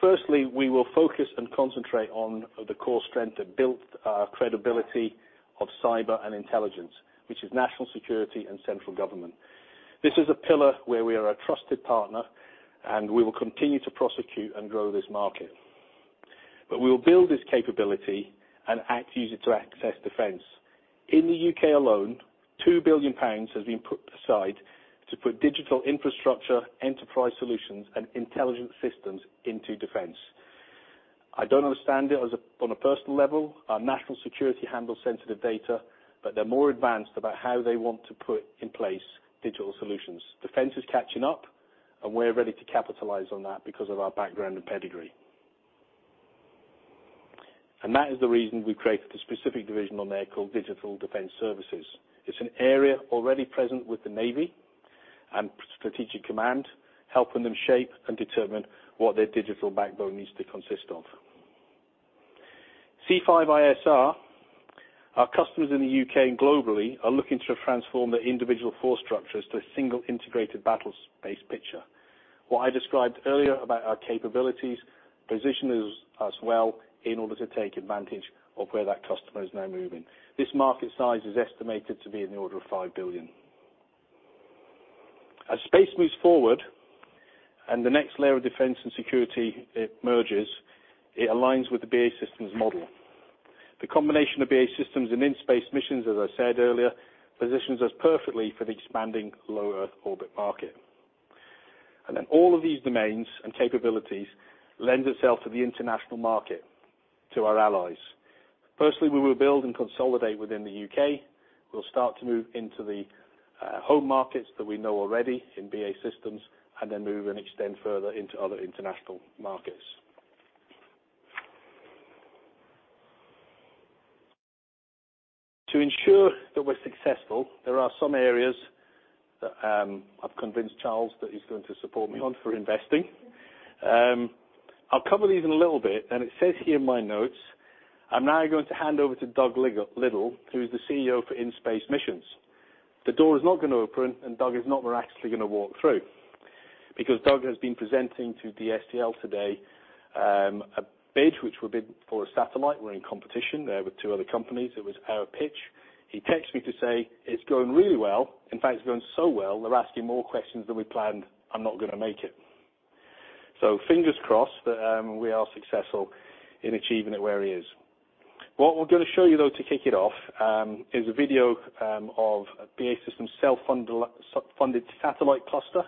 Firstly, we will focus and concentrate on the core strength that built our credibility of cyber and intelligence, which is national security and central government. This is a pillar where we are a trusted partner, and we will continue to prosecute and grow this market. We will build this capability and use it to access defense. In the UK alone, 2 billion pounds has been put aside to put digital infrastructure, enterprise solutions, and intelligent systems into defense. I don't understand it on a personal level. Our national security handles sensitive data, but they're more advanced about how they want to put in place digital solutions. Defense is catching up, and we're ready to capitalize on that because of our background and pedigree. That is the reason we created a specific division in there called Digital Defense Services. It's an area already present with the Navy and Strategic Command, helping them shape and determine what their digital backbone needs to consist of. C5ISR. Our customers in the UK and globally are looking to transform their individual force structures to a single integrated battlespace picture. What I described earlier about our capabilities positions us well in order to take advantage of where that customer is now moving. This market size is estimated to be in the order of 5 billion. As space moves forward and the next layer of defense and security, it merges, it aligns with the BAE Systems model. The combination of BAE Systems and In-Space Missions, as I said earlier, positions us perfectly for the expanding low Earth orbit market. All of these domains and capabilities lends itself to the international market, to our allies. Firstly, we will build and consolidate within the UK. We'll start to move into the home markets that we know already in BAE Systems, and then move and extend further into other international markets. To ensure that we're successful, there are some areas that I've convinced Charles that he's going to support me on for investing. I'll cover these in a little bit. It says here in my notes, I'm now going to hand over to Doug Liddle, who's the CEO for In-Space Missions. The door is not gonna open and Doug is not actually gonna walk through because Doug has been presenting to Dstl today, a bid which we bid for a satellite. We're in competition there with two other companies. It was our pitch. He texts me to say, "It's going really well. In fact, it's going so well, they're asking more questions than we planned. I'm not gonna make it." Fingers crossed that we are successful in achieving it where he is. What we're gonna show you though to kick it off is a video of BAE Systems self-funded satellite cluster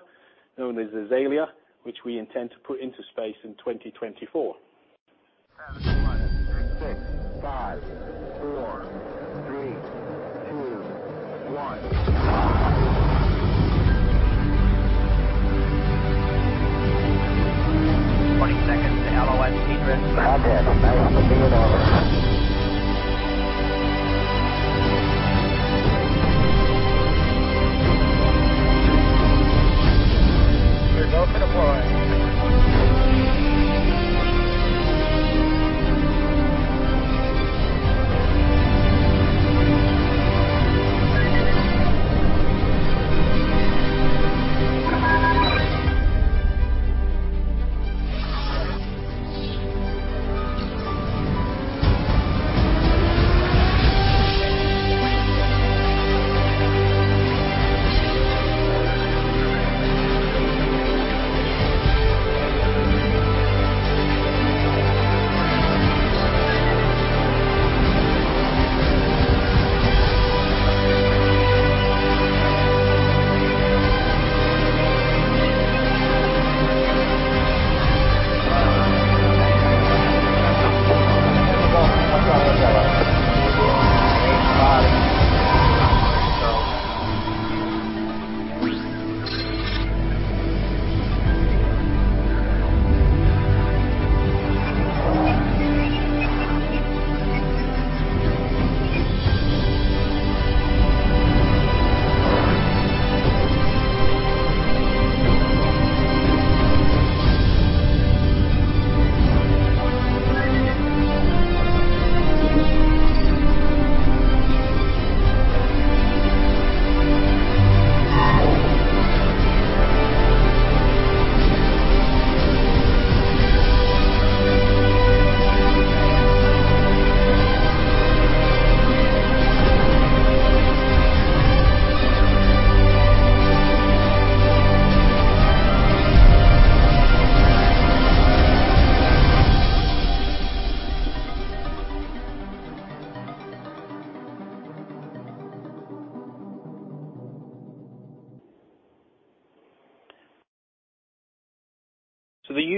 known as Azalea, which we intend to put into space in 2024.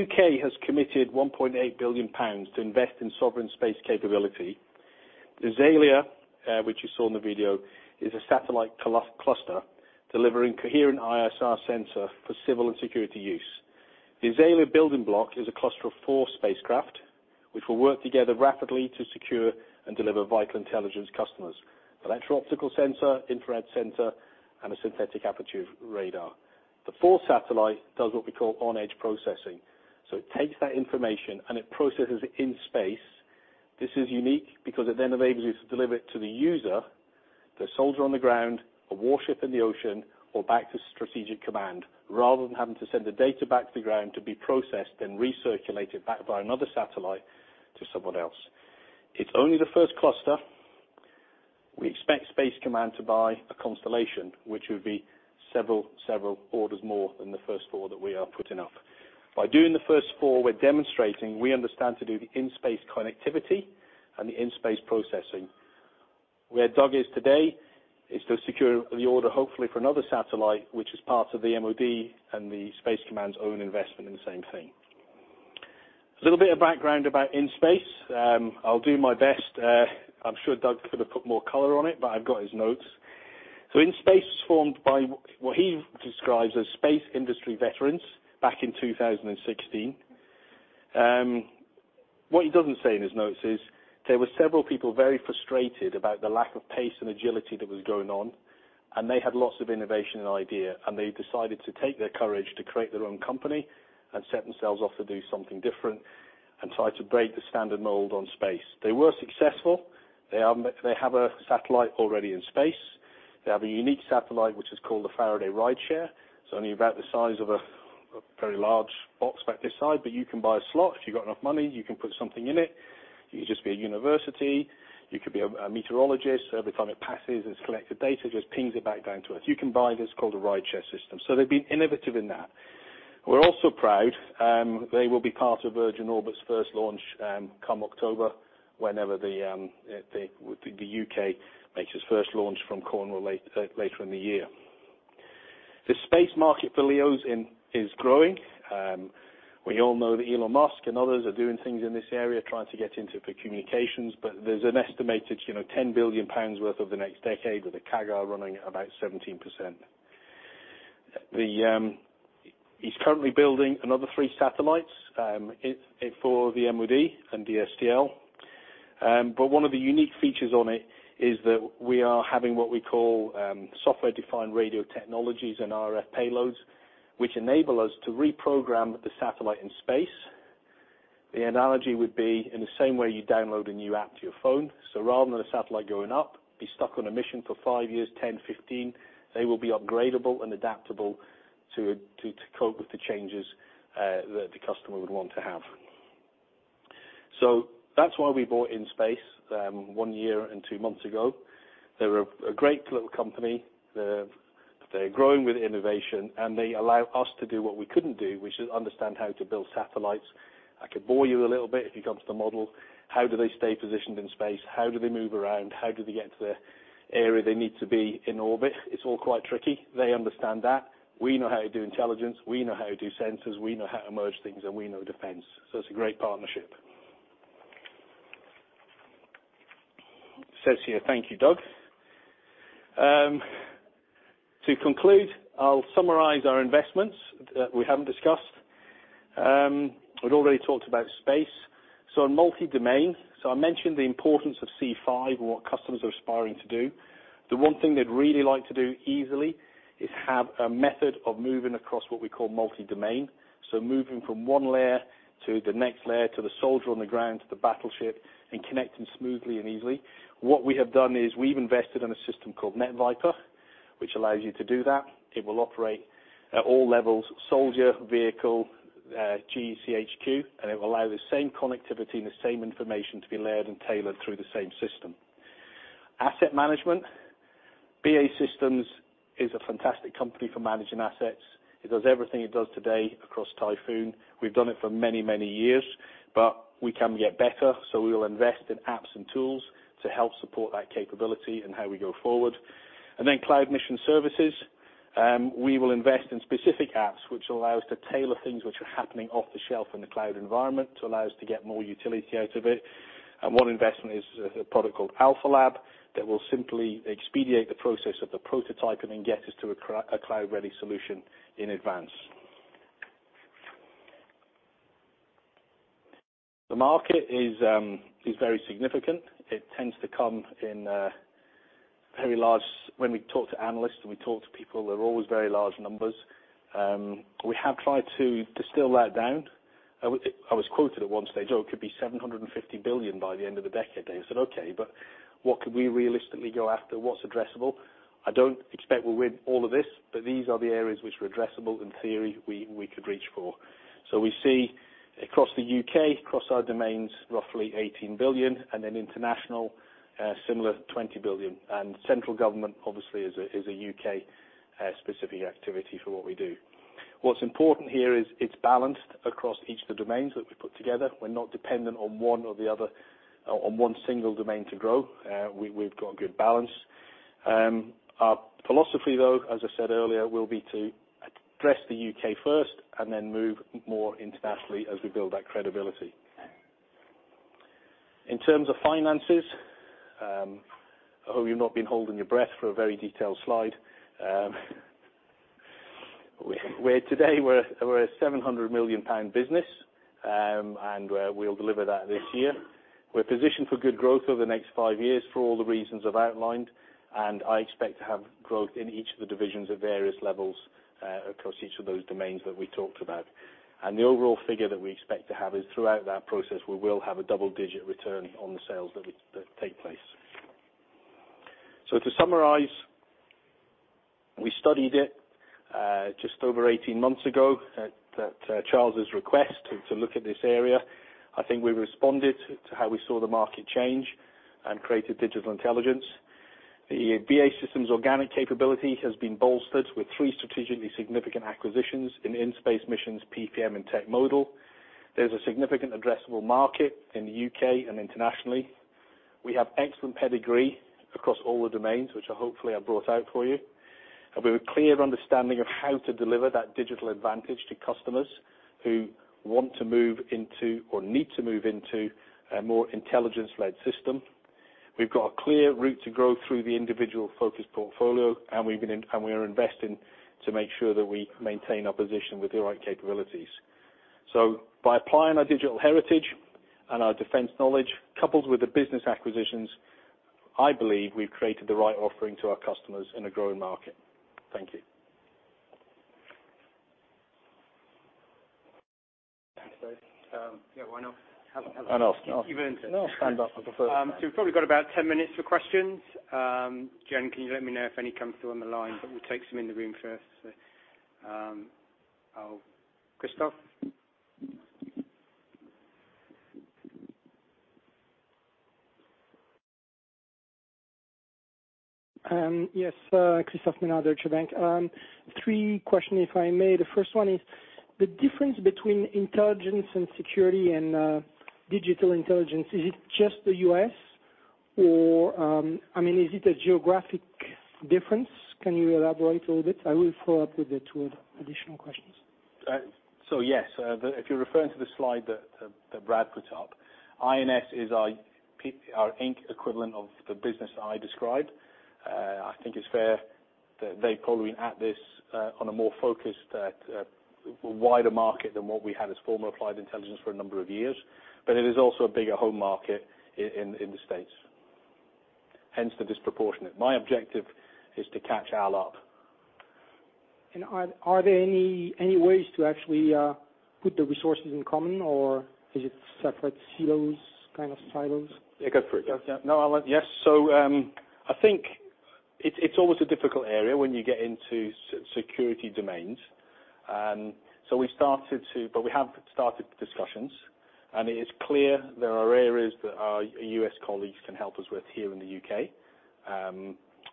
The UK has committed 1.8 billion pounds to invest in sovereign space capability. Azalea, which you saw in the video, is a satellite cluster delivering coherent ISR sensor for civil and security use. The Azalea building block is a cluster of four spacecraft which will work together rapidly to secure and deliver vital intelligence to customers, an electro-optical sensor, infrared sensor, and a synthetic aperture radar. The fourth satellite does what we call edge processing, so it takes that information and it processes it in space. This is unique because it then enables you to deliver it to the user, the soldier on the ground, a warship in the ocean, or back to strategic command rather than having to send the data back to the ground to be processed, then recirculated back by another satellite to someone else. It's only the first cluster. We expect U.S. Space Command to buy a constellation, which would be several orders more than the first four that we are putting up. By doing the first four, we're demonstrating we understand to do the in-space connectivity and the in-space processing. Where Doug is today is to secure the order, hopefully, for another satellite, which is part of the MOD and the U.S. Space Command's own investment in the same thing. A little bit of background about In-Space Missions. I'll do my best. I'm sure Doug could have put more color on it, but I've got his notes. In-Space Missions was formed by what he describes as space industry veterans back in 2016. What he doesn't say in his notes is there were several people very frustrated about the lack of pace and agility that was going on, and they had lots of innovation and idea, and they decided to take their courage to create their own company and set themselves off to do something different and try to break the standard mold on space. They were successful. They have a satellite already in space. They have a unique satellite, which is called the Faraday Rideshare. It's only about the size of a very large box about this size, but you can buy a slot. If you've got enough money, you can put something in it. You can just be a university, you could be a meteorologist. Every time it passes, it's collected data, just pings it back down to earth. You can buy this, called a Rideshare system. They've been innovative in that. We're also proud they will be part of Virgin Orbit's first launch come October, whenever the UK makes its first launch from Cornwall later in the year. The space market for LEOs is growing. We all know that Elon Musk and others are doing things in this area, trying to get into for communications. There's an estimated, you know, 10 billion pounds worth over the next decade, with the CAGR running at about 17%. He's currently building another 3 satellites for the MOD and Dstl. One of the unique features on it is that we are having what we call software-defined radio technologies and RF payloads, which enable us to reprogram the satellite in space. The analogy would be in the same way you download a new app to your phone. Rather than a satellite going up, be stuck on a mission for 5 years, 10, 15, they will be upgradable and adaptable to cope with the changes that the customer would want to have. That's why we bought In-Space Missions 1 year and 2 months ago. They're a great little company. They're growing with innovation, and they allow us to do what we couldn't do, which is understand how to build satellites. I could bore you a little bit if you come to the model. How do they stay positioned in space? How do they move around? How do they get to the area they need to be in orbit? It's all quite tricky. They understand that. We know how to do intelligence. We know how to do sensors. We know how to merge things, and we know defense. It's a great partnership. Says here, "Thank you, Doug." To conclude, I'll summarize our investments that we haven't discussed. We'd already talked about space. In multi-domain, so I mentioned the importance of C5 and what customers are aspiring to do. The one thing they'd really like to do easily is have a method of moving across what we call multi-domain. Moving from one layer to the next layer, to the soldier on the ground, to the battleship, and connecting smoothly and easily. What we have done is we've invested in a system called NetVIPR, which allows you to do that. It will operate at all levels, soldier, vehicle, GCHQ, and it will allow the same connectivity and the same information to be layered and tailored through the same system. Asset management. BAE Systems is a fantastic company for managing assets. It does everything it does today across Typhoon. We've done it for many, many years, but we can get better, so we will invest in apps and tools to help support that capability and how we go forward. Cloud mission services. We will invest in specific apps which will allow us to tailor things which are happening off the shelf in the cloud environment to allow us to get more utility out of it. One investment is a product called AlphaLAB that will simply expedite the process of the prototype and then get us to a cloud-ready solution in advance. The market is very significant. It tends to come in very large numbers. When we talk to analysts and we talk to people, they're always very large numbers. We have tried to distill that down. I was quoted at one stage, "Oh, it could be 750 billion by the end of the decade." I said, "Okay, but what could we realistically go after? What's addressable? I don't expect we'll win all of this, but these are the areas which are addressable in theory we could reach for." We see across the UK, across our domains, roughly 18 billion and then international, similar, 20 billion. Central government obviously is a UK specific activity for what we do. What's important here is it's balanced across each of the domains that we put together. We're not dependent on one or the other, or on one single domain to grow. We've got a good balance. Our philosophy, though, as I said earlier, will be to address the UK first and then move more internationally as we build that credibility. In terms of finances, I hope you've not been holding your breath for a very detailed slide. Today we're a GBP 700 million business, and we'll deliver that this year. We're positioned for good growth over the next five years for all the reasons I've outlined, and I expect to have growth in each of the divisions at various levels, across each of those domains that we talked about. The overall figure that we expect to have is throughout that process, we will have a double-digit return on the sales that take place. To summarize, we studied it just over 18 months ago at Charles's request to look at this area. I think we responded to how we saw the market change and created Digital Intelligence. The BAE Systems organic capability has been bolstered with three strategically significant acquisitions in In-Space Missions, PPM, and Techmodal. There's a significant addressable market in the UK and internationally. We have excellent pedigree across all the domains, which I hopefully I've brought out for you. With a clear understanding of how to deliver that digital advantage to customers who want to move into or need to move into a more intelligence-led system. We've got a clear route to grow through the individual-focused portfolio, and we are investing to make sure that we maintain our position with the right capabilities. By applying our digital heritage and our defense knowledge, coupled with the business acquisitions, I believe we've created the right offering to our customers in a growing market. Thank you. Thanks, Dave. Yeah, why not? Why not? No. You've earned it. No, stand up. I prefer to stand. We've probably got about 10 minutes for questions. Jen, can you let me know if any come through on the line? We'll take some in the room first. Christophe? Yes. Christophe Menard, Deutsche Bank. Three questions, if I may. The first one is the difference between intelligence and security and digital intelligence, is it just the U.S.? Or, I mean, is it a geographic difference? Can you elaborate a little bit? I will follow up with the two additional questions. Yes, if you're referring to the slide that Brad put up, Inc. is our Inc. equivalent of the business I described. I think it's fair that they've probably been at this on a more focused wider market than what we had as former Applied Intelligence for a number of years. It is also a bigger home market in the States, hence the disproportionate. My objective is to catch Al up. Are there any ways to actually put the resources in common, or is it separate silos, kind of silos? Yeah, go for it. Yes. I think it's always a difficult area when you get into security domains. We have started discussions, and it is clear there are areas that our U.S. colleagues can help us with here in the U.K.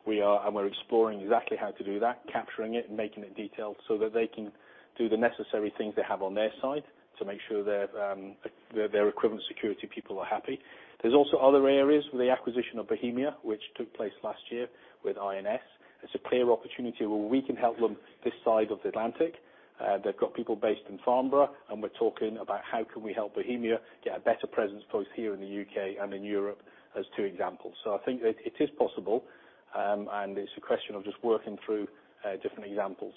We're exploring exactly how to do that, capturing it and making it detailed so that they can do the necessary things they have on their side to make sure their equivalent security people are happy. There's also other areas with the acquisition of Bohemia, which took place last year with INS. It's a clear opportunity where we can help them this side of the Atlantic. They've got people based in Farnborough, and we're talking about how can we help Bohemia get a better presence both here in the UK and in Europe as two examples. I think it is possible, and it's a question of just working through different examples.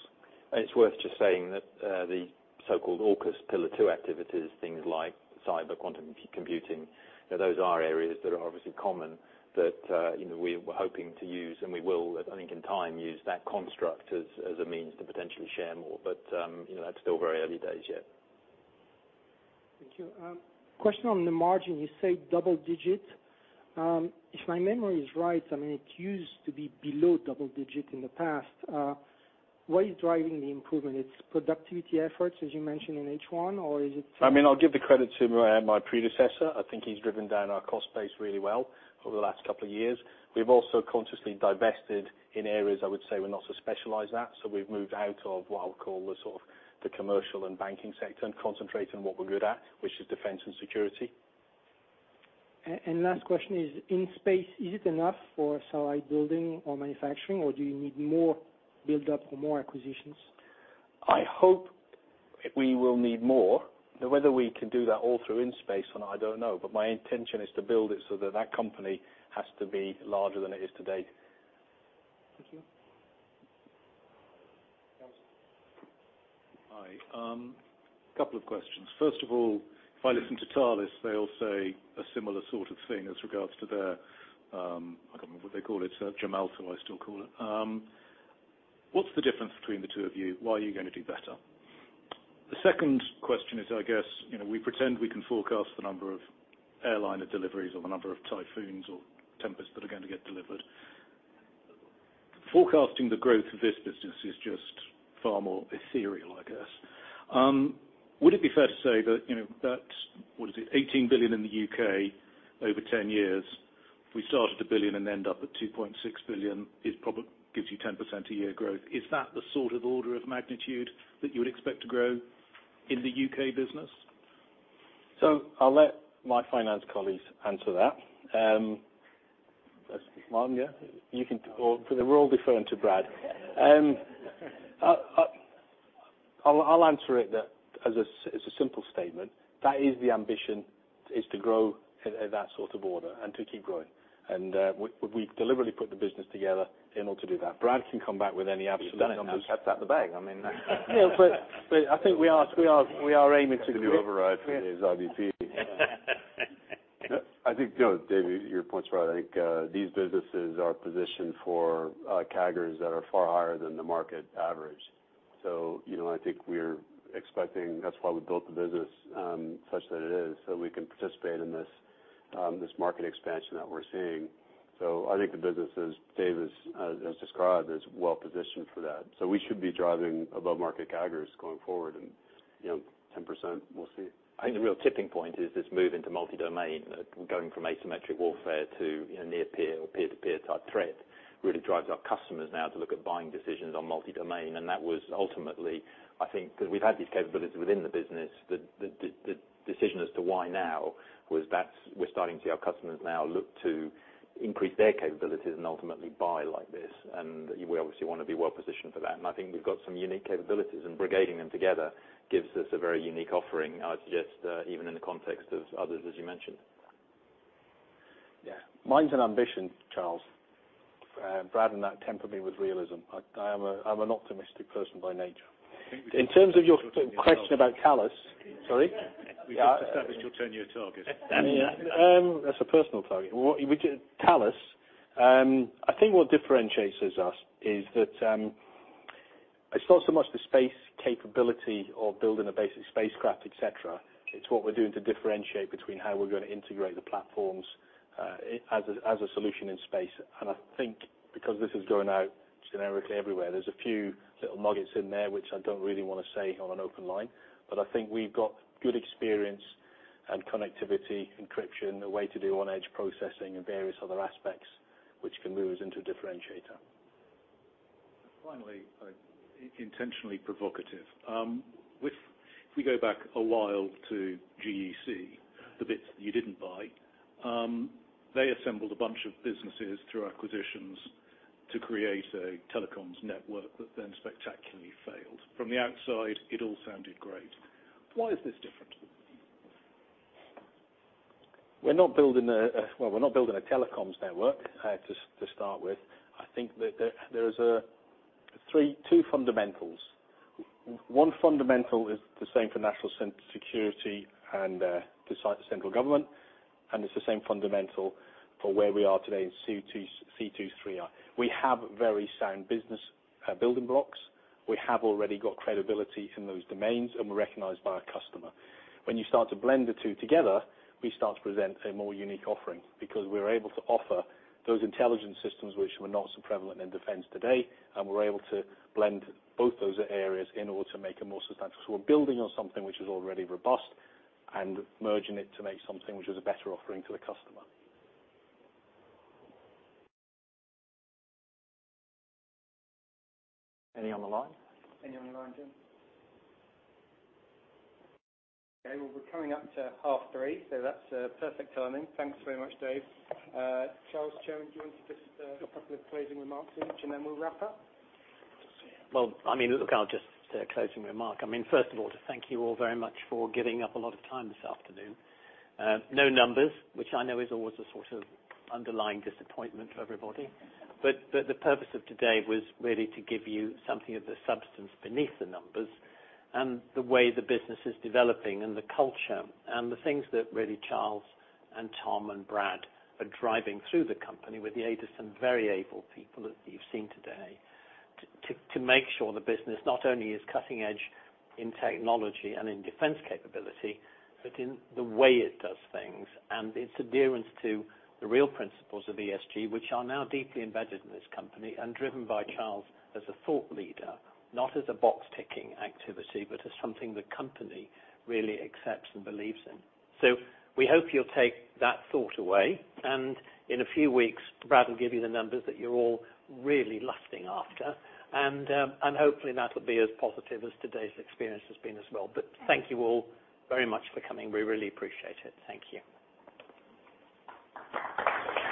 It's worth just saying that the so-called AUKUS Pillar 2 activities, things like cyber, quantum computing, that those are areas that are obviously common that, you know, we're hoping to use and we will, I think in time, use that construct as a means to potentially share more. But, you know, that's still very early days yet. Thank you. Question on the margin. You say double digit. If my memory is right, I mean, it used to be below double digit in the past. What is driving the improvement? It's productivity efforts, as you mentioned in H one, or is it- I mean, I'll give the credit to my predecessor. I think he's driven down our cost base really well over the last couple of years. We've also consciously divested in areas I would say we're not so specialized at. We've moved out of what I'll call the sort of the commercial and banking sector and concentrate on what we're good at, which is defense and security. Last question is, in space, is it enough for satellite building or manufacturing, or do you need more build-up or more acquisitions? I hope we will need more. Now, whether we can do that all through In-Space, and I don't know, but my intention is to build it so that company has to be larger than it is today. Thank you. Alastair. Hi. Couple of questions. First of all, if I listen to Thales, they all say a similar sort of thing as regards to their, I can't remember what they call it, Gemalto, I still call it. What's the difference between the two of you? Why are you gonna do better? The second question is, I guess, you know, we pretend we can forecast the number of airliner deliveries or the number of Typhoons or Tempests that are going to get delivered. Forecasting the growth of this business is just far more ethereal, I guess. Would it be fair to say that, you know, that, what is it, 18 billion in the UK over 10 years, if we started 1 billion and end up at 2.6 billion, it gives you 10% a year growth. Is that the sort of order of magnitude that you would expect to grow in the UK business? I'll let my finance colleagues answer that. Martin, yeah. You can, or defer to Brad. I'll answer that as a simple statement. That is the ambition, to grow at that sort of order and to keep growing. We've deliberately put the business together in order to do that. Brad can come back with any absolute numbers. You've done it. You've let the cat out of the bag. I mean. Yeah, I think we are aiming to- Gonna be override for his IBP. I think, you know, David, your point's right. I think, these businesses are positioned for, CAGRs that are far higher than the market average. I think we're expecting, that's why we built the business, such that it is, so we can participate in this market expansion that we're seeing. I think the business, as Dave has described, is well positioned for that. We should be driving above market CAGRs going forward and, you know, 10%, we'll see. I think the real tipping point is this move into multi-domain, going from asymmetric warfare to, you know, near peer or peer-to-peer type threat, really drives our customers now to look at buying decisions on multi-domain. That was ultimately, I think, 'cause we've had these capabilities within the business, the decision as to why now was we're starting to see our customers now look to increase their capabilities and ultimately buy like this. We obviously wanna be well positioned for that. I think we've got some unique capabilities, and brigading them together gives us a very unique offering, I'd suggest, even in the context of others, as you mentioned. Mine's an ambition, Charles. Brad and they temper me with realism. I'm an optimistic person by nature. In terms of your question about AUKUS. Sorry? We've just established your ten-year target. That's a personal target. I think what differentiates us is that, it's not so much the space capability or building a basic spacecraft, et cetera, it's what we're doing to differentiate between how we're gonna integrate the platforms, as a solution in space. I think because this is going out generically everywhere, there's a few little nuggets in there which I don't really wanna say on an open line, but I think we've got good experience and connectivity, encryption, a way to do on-edge processing and various other aspects which can move us into a differentiator. Finally, intentionally provocative. If we go back a while to GEC, the bits that you didn't buy, they assembled a bunch of businesses through acquisitions to create a telecoms network that then spectacularly failed. From the outside, it all sounded great. Why is this different? We're not building a telecoms network to start with. I think that there is two fundamentals. One fundamental is the same for national security and the central government, and it's the same fundamental for where we are today in C2 C3I. We have very sound business building blocks. We have already got credibility in those domains, and we're recognized by our customer. When you start to blend the two together, we start to present a more unique offering because we're able to offer those intelligence systems which were not so prevalent in defense today, and we're able to blend both those areas in order to make a more substantial. We're building on something which is already robust and merging it to make something which is a better offering to the customer. Any on the line? Any on the line, Jim? Okay, well, we're coming up to 3:30 P.M. so that's perfect timing. Thanks very much, Dave. Charles, do you want to just put up the closing remarks each, and then we'll wrap up? I'll just say a closing remark. I mean, first of all, to thank you all very much for giving up a lot of time this afternoon. No numbers, which I know is always a sort of underlying disappointment to everybody. The purpose of today was really to give you something of the substance beneath the numbers and the way the business is developing and the culture and the things that really Charles and Tom and Brad are driving through the company with the aid of some very able people that you've seen today, to make sure the business not only is cutting edge in technology and in defense capability, but in the way it does things and its adherence to the real principles of ESG, which are now deeply embedded in this company and driven by Charles as a thought leader, not as a box-ticking activity, but as something the company really accepts and believes in. We hope you'll take that thought away, and in a few weeks, Brad will give you the numbers that you're all really lusting after. Hopefully, that'll be as positive as today's experience has been as well. Thank you all very much for coming. We really appreciate it. Thank you.